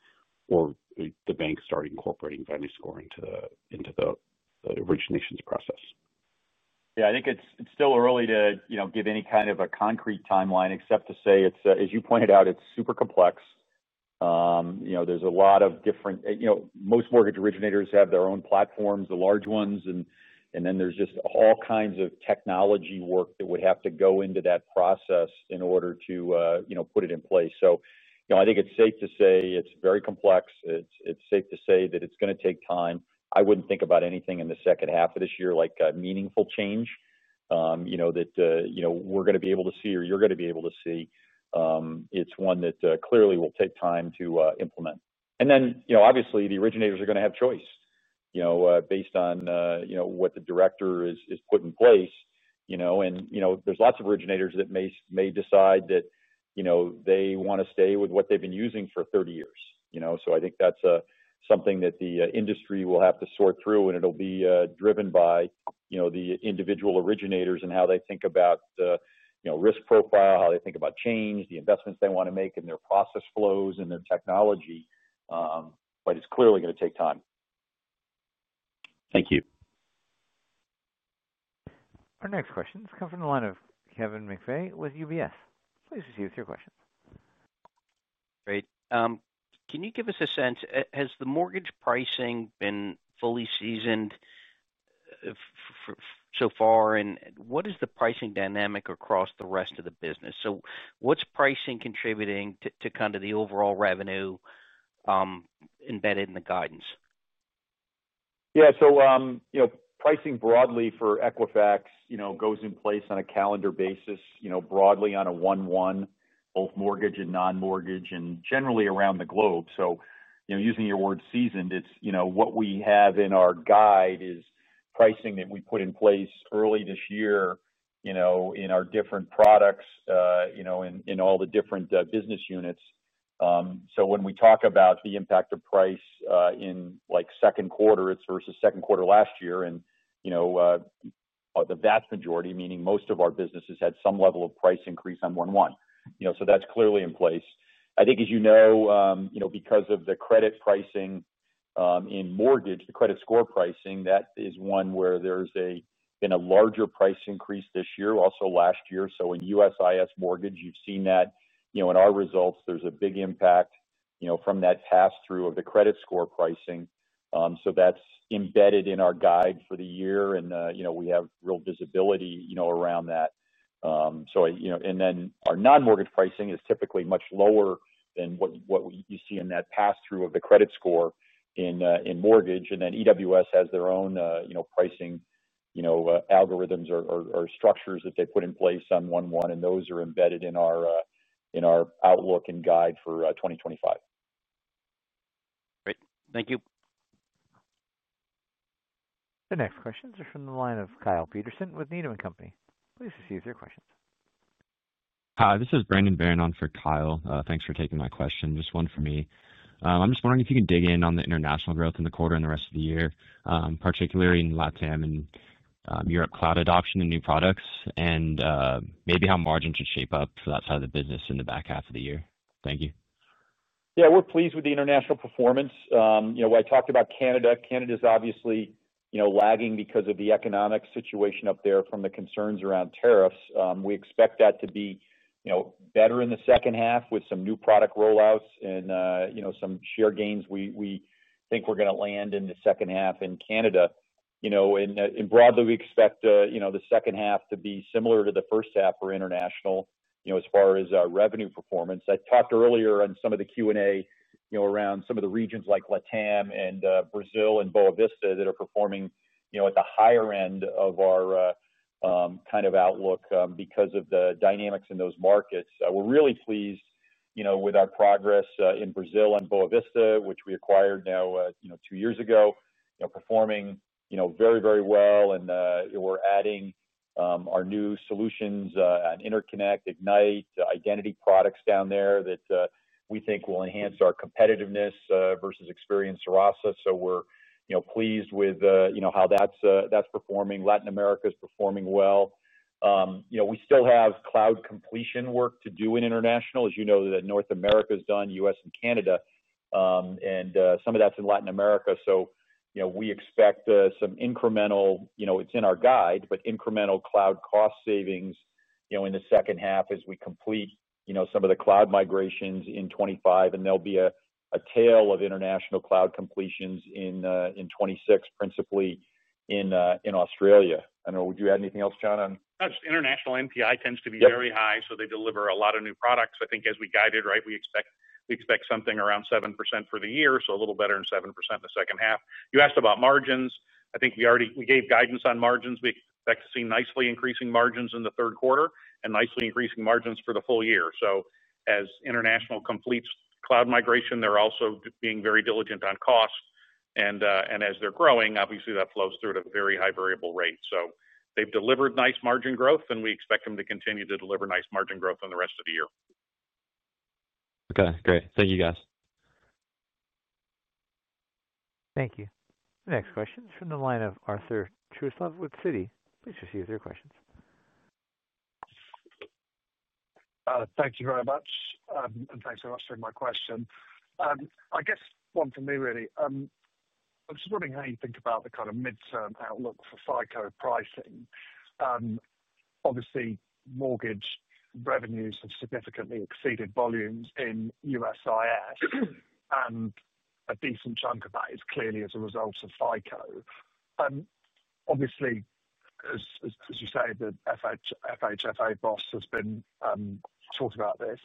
or the bank start incorporating VantageScore into the originations process? Yeah. I think it's still early to give any kind of a concrete timeline except to say, as you pointed out, it's super complex. There's a lot of different, most mortgage originators have their own platforms, the large ones, and then there's just all kinds of technology work that would have to go into that process in order to put it in place. I think it's safe to say it's very complex. It's safe to say that it's going to take time. I wouldn't think about anything in the second half of this year like a meaningful change that we're going to be able to see or you're going to be able to see. It's one that clearly will take time to implement. Obviously, the originators are going to have choice based on what the director has put in place. There's lots of originators that may decide that they want to stay with what they've been using for 30 years. I think that's something that the industry will have to sort through, and it'll be driven by the individual originators and how they think about the risk profile, how they think about change, the investments they want to make in their process flows and their technology. But it's clearly going to take time. Thank you. Our next question is coming from the line of Kevin McVeigh with UBS. Please proceed with your questions. Great. Can you give us a sense? Has the mortgage pricing been fully seasoned so far, and what is the pricing dynamic across the rest of the business? So what's pricing contributing to kind of the overall revenue embedded in the guidance? Yeah. So, pricing broadly for Equifax goes in place on a calendar basis, broadly on a one-one. Both mortgage and non-mortgage, and generally around the globe. So using your word seasoned, what we have in our guide is pricing that we put in place early this year in our different products, in all the different business units. So when we talk about the impact of price in second quarter, it's versus second quarter last year, and the vast majority, meaning most of our businesses, had some level of price increase on one-one. That's clearly in place. I think, as you know, because of the credit pricing in mortgage, the credit score pricing, that is one where there's been a larger price increase this year, also last year. In USIS mortgage, you've seen that in our results, there's a big impact from that pass-through of the credit score pricing. That's embedded in our guide for the year, and we have real visibility around that. Then our non-mortgage pricing is typically much lower than what you see in that pass-through of the credit score in mortgage. EWS has their own pricing algorithms or structures that they put in place on one-one, and those are embedded in our outlook and guide for 2025. Great. Thank you. The next questions are from the line of Kyle Peterson with Needham & Company. Please proceed with your questions. Hi. This is Brandon Barron on for Kyle. Thanks for taking my question. Just one for me. I'm just wondering if you can dig in on the international growth in the quarter and the rest of the year, particularly in LATAM and Europe cloud adoption and new products, and maybe how margin should shape up for that side of the business in the back half of the year? Thank you. Yeah. We're pleased with the international performance. I talked about Canada. Canada is obviously lagging because of the economic situation up there from the concerns around tariffs. We expect that to be better in the second half with some new product rollouts and some share gains. We think we're going to land in the second half in Canada. Broadly, we expect the second half to be similar to the first half for international as far as revenue performance. I talked earlier on some of the Q&A around some of the regions like LATAM and Brazil and Boa Vista that are performing at the higher end of our kind of outlook because of the dynamics in those markets. We're really pleased with our progress in Brazil and Boa Vista, which we acquired now two years ago, performing very, very well. We're adding our new solutions on InterConnect, Ignite, identity products down there that we think will enhance our competitiveness versus Experian Serasa. We're pleased with how that's performing. Latin America is performing well. We still have cloud completion work to do in international. As you know, North America is done, U.S. and Canada. Some of that's in Latin America. We expect some incremental, it's in our guide—but incremental cloud cost savings in the second half as we complete some of the cloud migrations in 2025. There will be a tail of international cloud completions in 2026, principally in Australia. I don't know. Would you add anything else, John, on? Just international NPI tends to be very high, so they deliver a lot of new products. I think as we guide it, right, we expect something around 7% for the year, so a little better than 7% in the second half. You asked about margins. I think we gave guidance on margins. We expect to see nicely increasing margins in the third quarter and nicely increasing margins for the full year. As international completes cloud migration, they're also being very diligent on cost. As they're growing, obviously, that flows through at a very high variable rate. They've delivered nice margin growth, and we expect them to continue to deliver nice margin growth in the rest of the year. Okay. Great. Thank you, guys. Thank you. The next question is from the line of Arthur Truslove with Citi. Please proceed with your questions. Thank you very much. Thanks for answering my question. I guess one for me, really. I'm just wondering how you think about the kind of midterm outlook for FICO pricing? Obviously, mortgage revenues have significantly exceeded volumes in USIS. A decent chunk of that is clearly as a result of FICO. Obviously. As you say, the FHFA boss has been talked about this.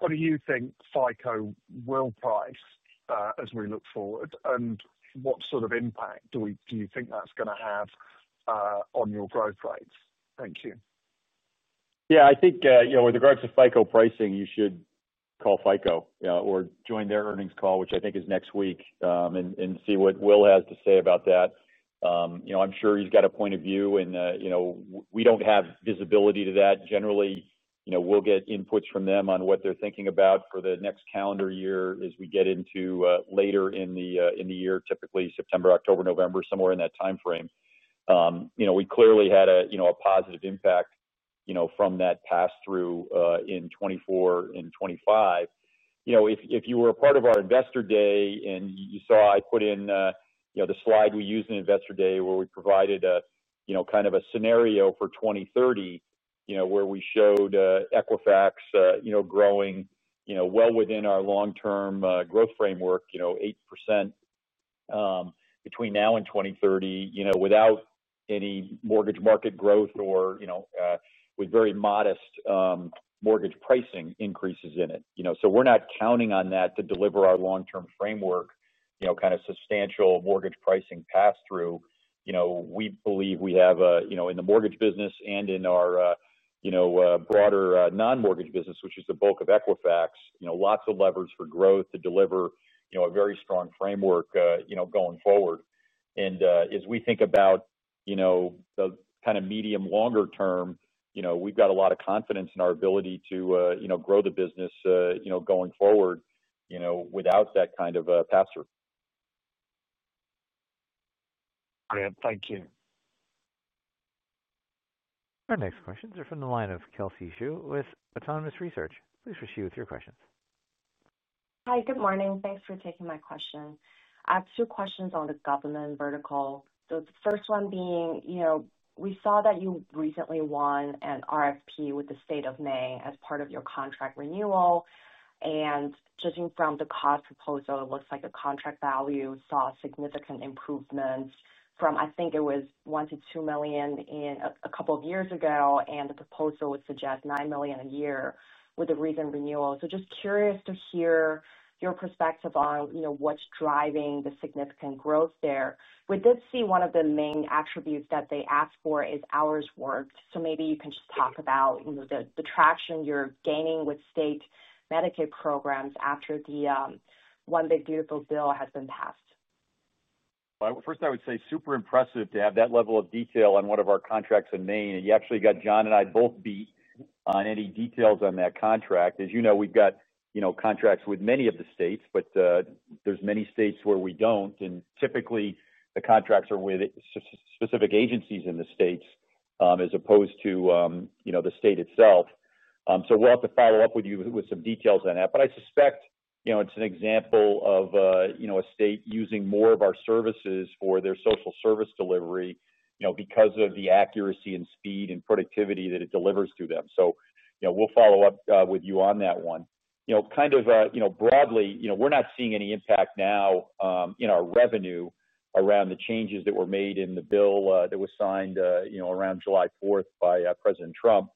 What do you think FICO will price as we look forward? What sort of impact do you think that's going to have on your growth rates? Thank you. Yeah. I think with the growth of FICO pricing, you should call FICO or join their earnings call, which I think is next week, and see what Will has to say about that. I'm sure he's got a point of view, and we don't have visibility to that. Generally, we'll get inputs from them on what they're thinking about for the next calendar year as we get into later in the year, typically September, October, November, somewhere in that timeframe. We clearly had a positive impact from that pass-through in 2024 and 2025. If you were a part of our Investor Day and you saw I put in the slide we use in Investor Day where we provided kind of a scenario for 2030 where we showed Equifax growing well within our long-term growth framework, 8% between now and 2030 without any mortgage market growth or with very modest mortgage pricing increases in it. So we're not counting on that to deliver our long-term framework, kind of substantial mortgage pricing pass-through. We believe we have in the mortgage business and in our broader non-mortgage business, which is the bulk of Equifax, lots of levers for growth to deliver a very strong framework going forward. As we think about the kind of medium-longer term, we've got a lot of confidence in our ability to grow the business going forward without that kind of pass-through. Thank you. Our next questions are from the line of Kelsey Zhu with Autonomous Research. Please proceed with your questions. Hi. Good morning. Thanks for taking my question. I have two questions on the government vertical. The first one being, we saw that you recently won an RFP with the state of Maine as part of your contract renewal. Judging from the cost proposal, it looks like the contract value saw significant improvements from, I think it was, $1 million-$2 million a couple of years ago, and the proposal would suggest $9 million a year with a recent renewal. Just curious to hear your perspective on what's driving the significant growth there. We did see one of the main attributes that they asked for is hours worked. Maybe you can just talk about the traction you're gaining with state Medicaid programs after the One Big Beautiful Bill has been passed. First, I would say super impressive to have that level of detail on one of our contracts in Maine. You actually got John and I both beat on any details on that contract. As you know, we've got contracts with many of the states, but there's many states where we don't. Typically, the contracts are with specific agencies in the states as opposed to the state itself. We'll have to follow up with you with some details on that. I suspect it's an example of a state using more of our services for their social service delivery because of the accuracy and speed and productivity that it delivers to them. We'll follow up with you on that one. Broadly, we're not seeing any impact now in our revenue around the changes that were made in the bill that was signed around July 4th by President Trump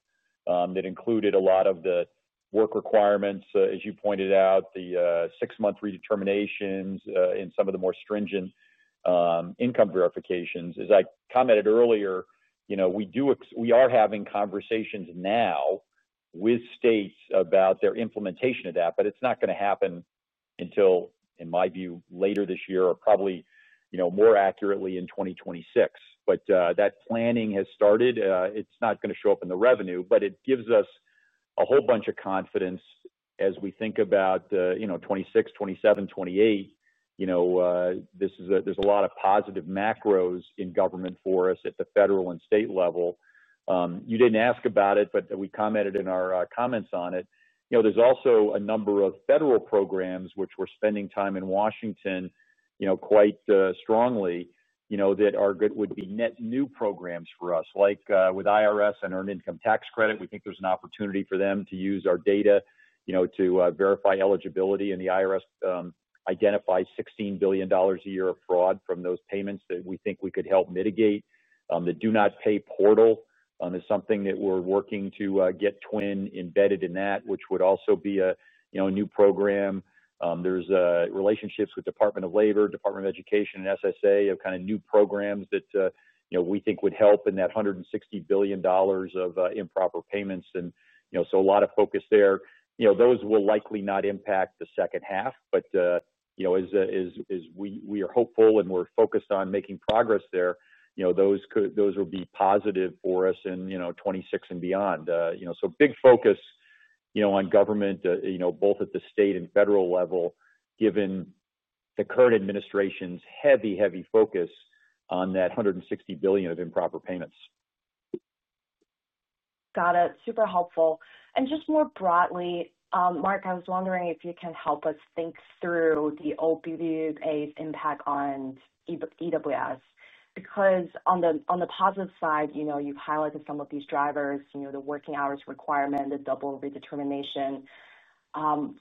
that included a lot of the work requirements, as you pointed out, the six-month redeterminations, and some of the more stringent income verifications. As I commented earlier, we are having conversations now. With states about their implementation of that, but it's not going to happen until, in my view, later this year or probably more accurately in 2026. But that planning has started. It's not going to show up in the revenue, but it gives us a whole bunch of confidence as we think about 2026, 2027, 2028. There's a lot of positive macros in government for us at the federal and state level. You didn't ask about it, but we commented in our comments on it. There's also a number of federal programs which we're spending time in Washington. Quite strongly that would be net new programs for us. Like with IRS and Earned Income Tax Credit, we think there's an opportunity for them to use our data to verify eligibility. And the IRS identifies $16 billion a year of fraud from those payments that we think we could help mitigate. The Do Not Pay Portal is something that we're working to get TWIN embedded in that, which would also be a new program. There's relationships with the Department of Labor, Department of Education, and SSA of kind of new programs that we think would help in that $160 billion of improper payments. And so a lot of focus there. Those will likely not impact the second half, but as we are hopeful and we're focused on making progress there, those will be positive for us in 2026 and beyond. Big focus on government, both at the state and federal level, given the current administration's heavy, heavy focus on that $160 billion of improper payments. Got it. Super helpful. And just more broadly, Mark, I was wondering if you can help us think through the OBBBA's impact on EWS. Because on the positive side, you've highlighted some of these drivers, the working hours requirement, the double redetermination,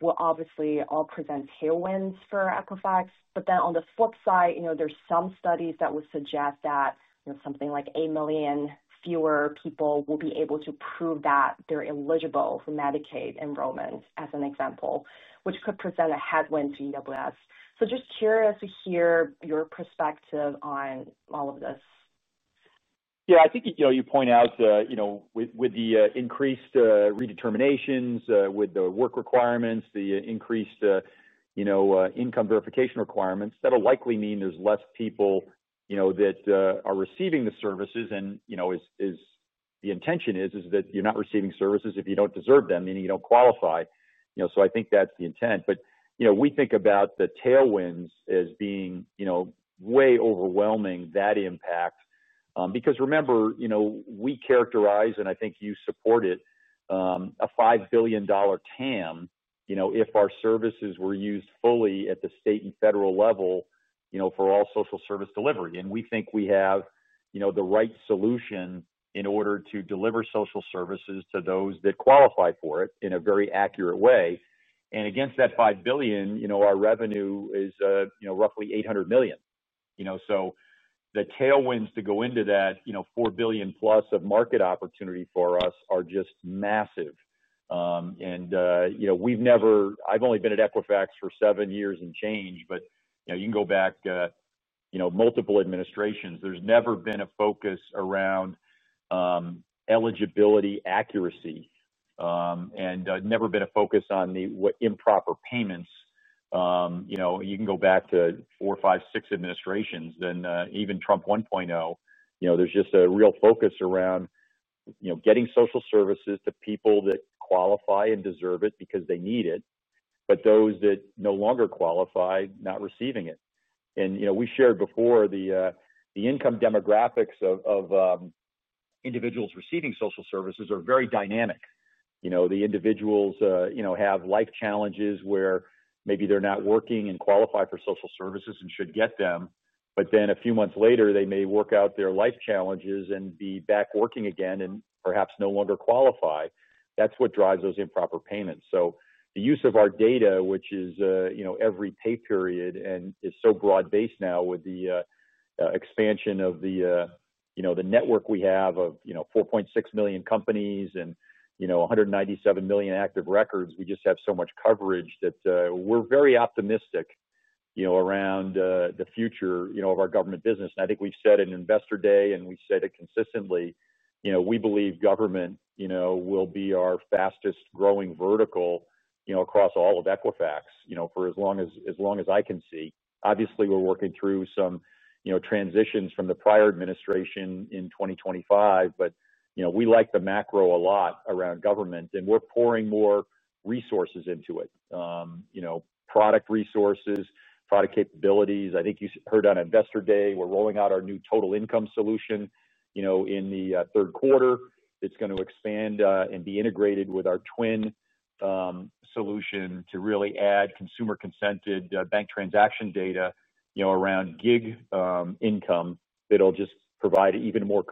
will obviously all present tailwinds for Equifax. On the flip side, there's some studies that would suggest that something like 8 million fewer people will be able to prove that they're eligible for Medicaid enrollment, as an example, which could present a headwind to EWS. Just curious to hear your perspective on all of this. Yeah. I think you point out, with the increased redeterminations, with the work requirements, the increased income verification requirements, that'll likely mean there's less people that are receiving the services. The intention is that you're not receiving services if you don't deserve them, meaning you don't qualify. I think that's the intent. We think about the tailwinds as being way overwhelming, that impact. Remember, we characterize, and I think you support it, a $5 billion TAM if our services were used fully at the state and federal level for all social service delivery. We think we have the right solution in order to deliver social services to those that qualify for it in a very accurate way. Against that $5 billion, our revenue is roughly $800 million. The tailwinds to go into that $4 billion+ of market opportunity for us are just massive. I've only been at Equifax for seven years and change, but you can go back multiple administrations. There's never been a focus around eligibility, accuracy, and never been a focus on the improper payments. You can go back to four, five, six administrations, then even Trump 1.0, there's just a real focus around getting social services to people that qualify and deserve it because they need it, but those that no longer qualify, not receiving it. We shared before the income demographics of individuals receiving social services are very dynamic. The individuals have life challenges where maybe they're not working and qualify for social services and should get them, but then a few months later, they may work out their life challenges and be back working again and perhaps no longer qualify. That's what drives those improper payments. The use of our data, which is every pay period and is so broad-based now with the expansion of the network we have of 4.6 million companies and 197 million active records, we just have so much coverage that we're very optimistic around the future of our government business. I think we've said in Investor Day, and we've said it consistently, we believe government will be our fastest-growing vertical across all of Equifax for as long as I can see. Obviously, we're working through some transitions from the prior administration in 2025, but we like the macro a lot around government, and we're pouring more resources into it. Product resources, product capabilities. I think you heard on Investor Day, we're rolling out our new total income solution in the third quarter. It's going to expand and be integrated with our TWIN solution to really add consumer-consented bank transaction data around gig income that'll just provide an even more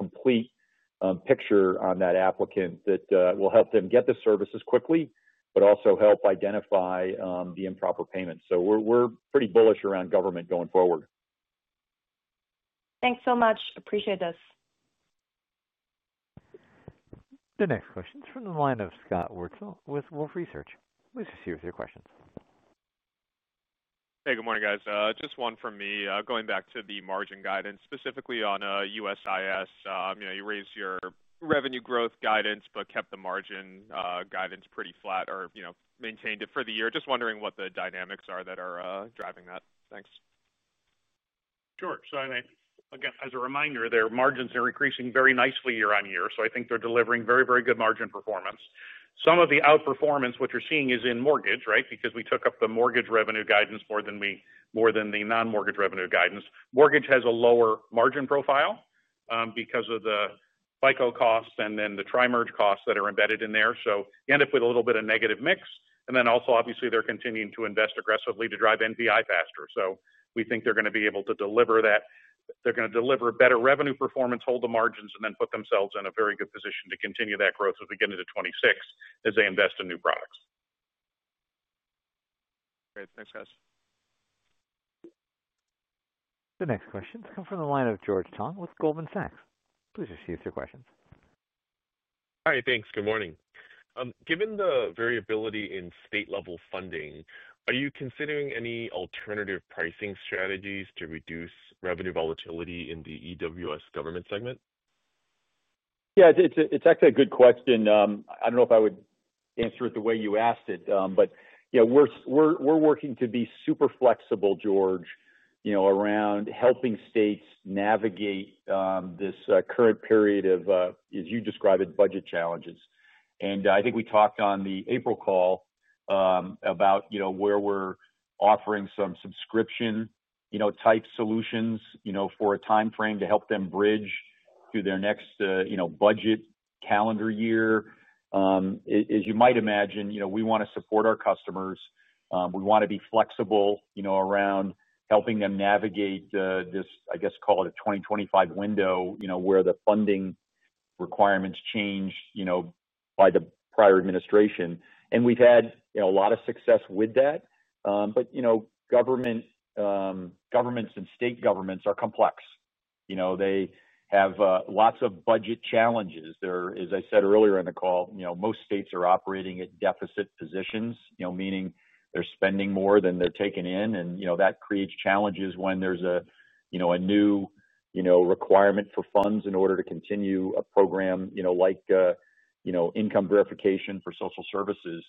complete picture on that applicant that will help them get the services quickly, but also help identify the improper payments. We're pretty bullish around government going forward. Thanks so much. Appreciate this. The next question is from the line of Scott Wurtzel with Wolfe Research. Please proceed with your questions. Hey, good morning, guys. Just one from me. Going back to the margin guidance, specifically on USIS. You raised your revenue growth guidance but kept the margin guidance pretty flat or maintained it for the year. Just wondering what the dynamics are that are driving that. Thanks. Sure. Again, as a reminder, their margins are increasing very nicely year on year, so I think they're delivering very, very good margin performance. Some of the outperformance, what you're seeing, is in mortgage, right? Because we took up the mortgage revenue guidance more than the non-mortgage revenue guidance. Mortgage has a lower margin profile because of the FICO costs and then the tri-merge costs that are embedded in there. You end up with a little bit of negative mix. Then also, obviously, they're continuing to invest aggressively to drive NPI faster. We think they're going to be able to deliver that. They're going to deliver better revenue performance, hold the margins, and then put themselves in a very good position to continue that growth as we get into 2026 as they invest in new products. Great. Thanks, guys. The next question's come from the line of George Tong with Goldman Sachs. Please proceed with your questions. Hi. Thanks. Good morning. Given the variability in state-level funding, are you considering any alternative pricing strategies to reduce revenue volatility in the EWS government segment? Yeah. It's actually a good question. I don't know if I would answer it the way you asked it, but we're working to be super flexible, George, around helping states navigate this current period of, as you describe it, budget challenges. I think we talked on the April call about where we're offering some subscription-type solutions for a timeframe to help them bridge through their next budget calendar year. As you might imagine, we want to support our customers. We want to be flexible around helping them navigate this, I guess, call it a 2025 window where the funding requirements changed by the prior administration. We've had a lot of success with that. Governments and state governments are complex. They have lots of budget challenges. As I said earlier in the call, most states are operating at deficit positions, meaning they're spending more than they're taking in. That creates challenges when there's a new requirement for funds in order to continue a program like income verification for social services.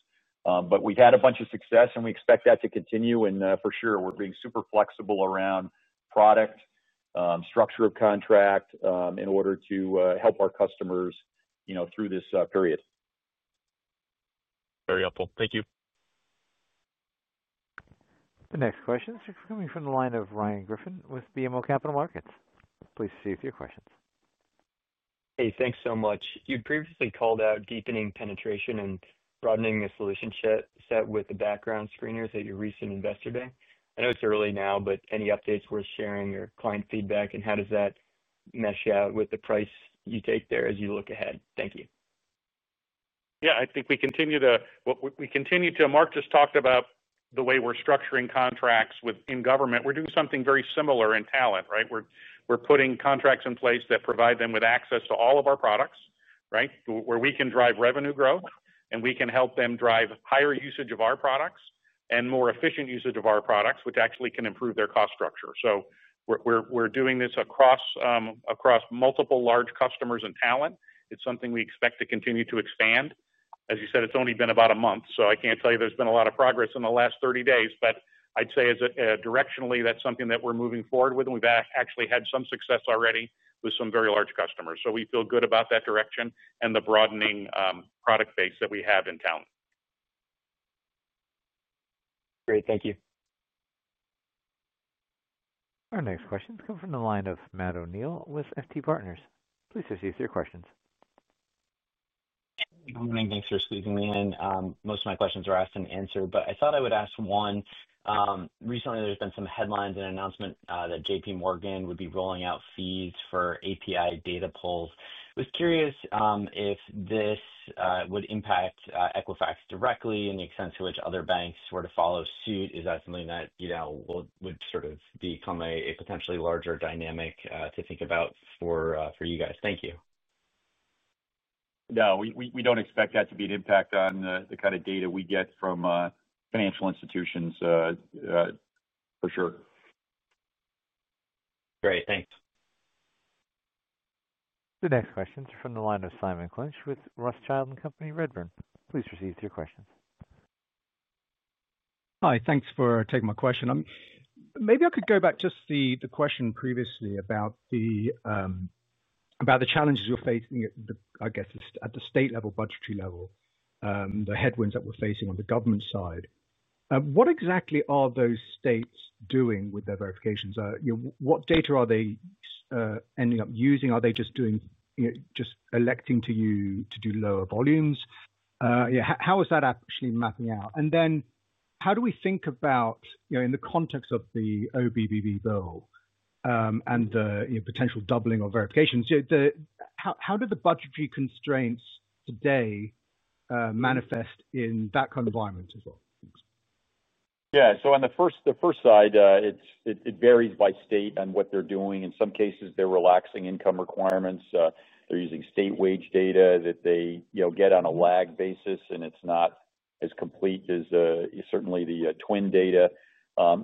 We've had a bunch of success, and we expect that to continue. For sure, we're being super flexible around product, structure of contract in order to help our customers through this period. Very helpful. Thank you. The next question is coming from the line of Ryan Griffin with BMO Capital Markets. Please proceed with your questions. Hey, thanks so much. You'd previously called out deepening penetration and broadening the solution set with the background screeners at your recent Investor Day. I know it's early now, but any updates worth sharing or client feedback, and how does that mesh out with the price you take there as you look ahead? Thank you. Yeah. I think we continue to, well, we continue to, Mark just talked about the way we're structuring contracts within government. We're doing something very similar in talent, right? We're putting contracts in place that provide them with access to all of our products, right, where we can drive revenue growth, and we can help them drive higher usage of our products and more efficient usage of our products, which actually can improve their cost structure. We're doing this across multiple large customers in talent. It's something we expect to continue to expand. As you said, it's only been about a month, so I can't tell you there's been a lot of progress in the last 30 days. I'd say, directionally, that's something that we're moving forward with. We've actually had some success already with some very large customers. We feel good about that direction and the broadening product base that we have in talent. Great. Thank you. Our next question's come from the line of Matt O'Neill with FT Partners. Please proceed with your questions. Good morning. Thanks for squeezing me in. Most of my questions are asked and answered, but I thought I would ask one. Recently, there's been some headlines and announcements that JPMorgan would be rolling out fees for API data pulls. I was curious if this would impact Equifax directly in the extent to which other banks were to follow suit. Is that something that would sort of become a potentially larger dynamic to think about for you guys? Thank you. No, we don't expect that to be an impact on the kind of data we get from financial institutions. For sure. Great. Thanks. The next question's from the line of Simon Clinch with Rothschild & Company Redburn. Please proceed with your questions. Hi. Thanks for taking my question. Maybe I could go back just to the question previously about the challenges you're facing, I guess, at the state-level, budgetary level, the headwinds that we're facing on the government side. What exactly are those states doing with their verifications? What data are they ending up using? Are they just electing to do lower volumes? How is that actually mapping out? How do we think about, in the context of the OBBB bill and the potential doubling of verifications, how do the budgetary constraints today manifest in that kind of environment as well? Yeah. On the first side, it varies by state and what they're doing. In some cases, they're relaxing income requirements. They're using state wage data that they get on a lag basis, and it's not as complete as certainly the TWIN data.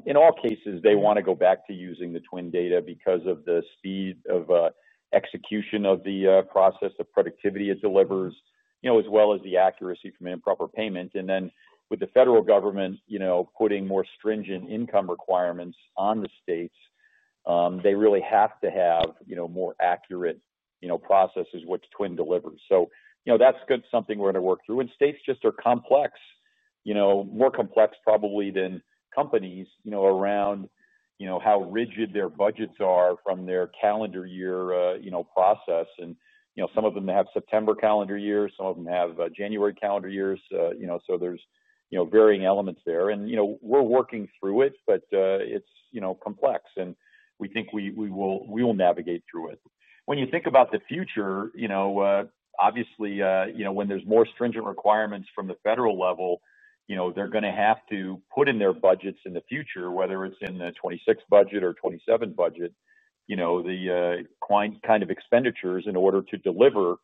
In all cases, they want to go back to using the TWIN data because of the speed of execution of the process, the productivity it delivers, as well as the accuracy from improper payment. With the federal government putting more stringent income requirements on the states, they really have to have more accurate processes which TWIN delivers. That's good, something we're going to work through. States just are complex. More complex, probably, than companies around how rigid their budgets are from their calendar year process. Some of them have September calendar years. Some of them have January calendar years. There's varying elements there. We're working through it, but it's complex, and we think we will navigate through it. When you think about the future. Obviously, when there's more stringent requirements from the federal level, they're going to have to put in their budgets in the future, whether it's in the 2026 budget or 2027 budget, the kind of expenditures in order to deliver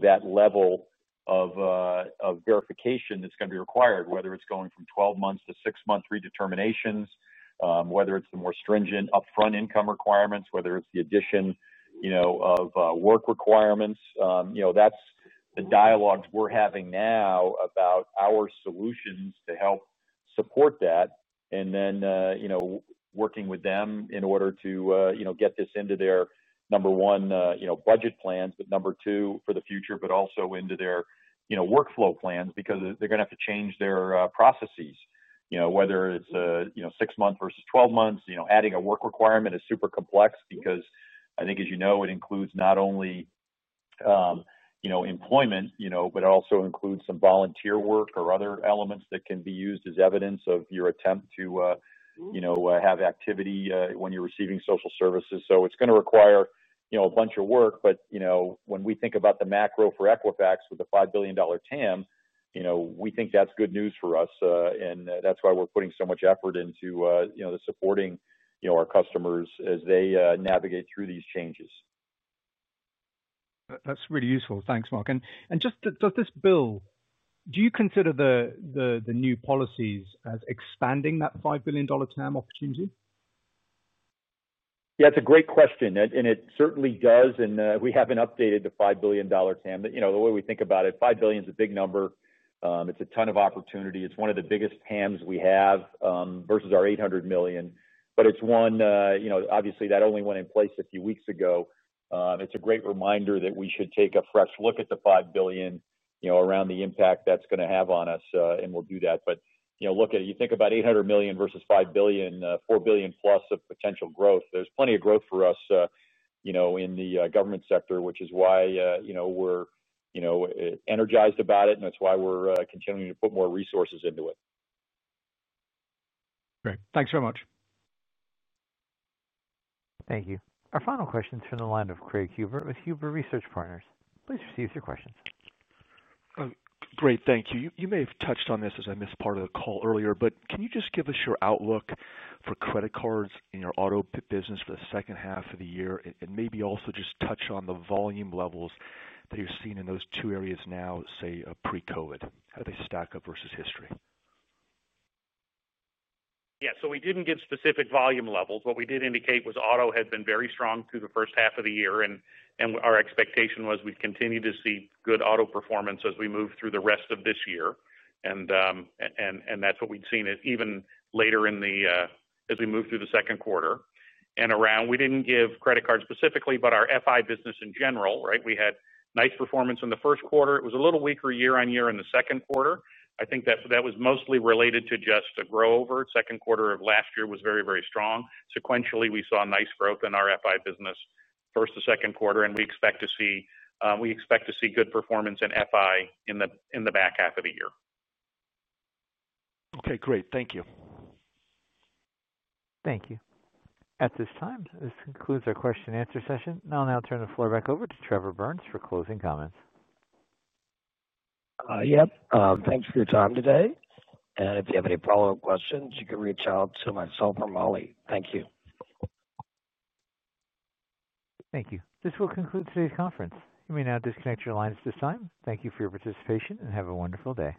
that level of verification that's going to be required, whether it's going from 12 months to 6-month redeterminations, whether it's the more stringent upfront income requirements, whether it's the addition of work requirements. That's the dialogues we're having now about our solutions to help support that. And then working with them in order to get this into their, number one, budget plans, but number two, for the future, but also into their workflow plans because they're going to have to change their processes, whether it's 6 months versus 12 months. Adding a work requirement is super complex because I think, as you know, it includes not only employment, but it also includes some volunteer work or other elements that can be used as evidence of your attempt to have activity when you're receiving social services. So it's going to require a bunch of work. But when we think about the macro for Equifax with the $5 billion TAM, we think that's good news for us. And that's why we're putting so much effort into supporting our customers as they navigate through these changes. That's really useful. Thanks, Mark. And just this bill, do you consider the new policies as expanding that $5 billion TAM opportunity? Yeah, it's a great question. And it certainly does. And we haven't updated the $5 billion TAM. The way we think about it, $5 billion is a big number. It's a ton of opportunity. It's one of the biggest TAMs we have versus our $800 million. But it's one, obviously, that only went in place a few weeks ago. It's a great reminder that we should take a fresh look at the $5 billion around the impact that's going to have on us. And we'll do that. But look, you think about $800 million versus $5 billion, $4 billion+ of potential growth. There's plenty of growth for us. In the government sector, which is why we're energized about it, and that's why we're continuing to put more resources into it. Great. Thanks very much. Thank you. Our final question's from the line of Craig Huber with Huber Research Partners. Please proceed with your questions. Great. Thank you. You may have touched on this as I missed part of the call earlier, but can you just give us your outlook for credit cards in your auto business for the second half of the year? And maybe also just touch on the volume levels that you're seeing in those two areas now, say, pre-COVID. How do they stack up versus history? Yeah. So we didn't give specific volume levels. What we did indicate was auto had been very strong through the first half of the year. Our expectation was we would continue to see good auto performance as we move through the rest of this year. That is what we had seen even later as we moved through the second quarter. We did not give credit cards specifically, but our FI business in general, right? We had nice performance in the first quarter. It was a little weaker year on year in the second quarter. I think that was mostly related to just a grow-over. Second quarter of last year was very, very strong. Sequentially, we saw nice growth in our FI business first to second quarter. We expect to see good performance in FI in the back half of the year. Okay. Great. Thank you. Thank you. At this time, this concludes our question-and-answer session. I will now turn the floor back over to Trevor Burns for closing comments. Yep. Thanks for your time today. If you have any follow-up questions, you can reach out to myself or Molly. Thank you. Thank you. This will conclude today's conference. You may now disconnect your lines at this time. Thank you for your participation and have a wonderful day.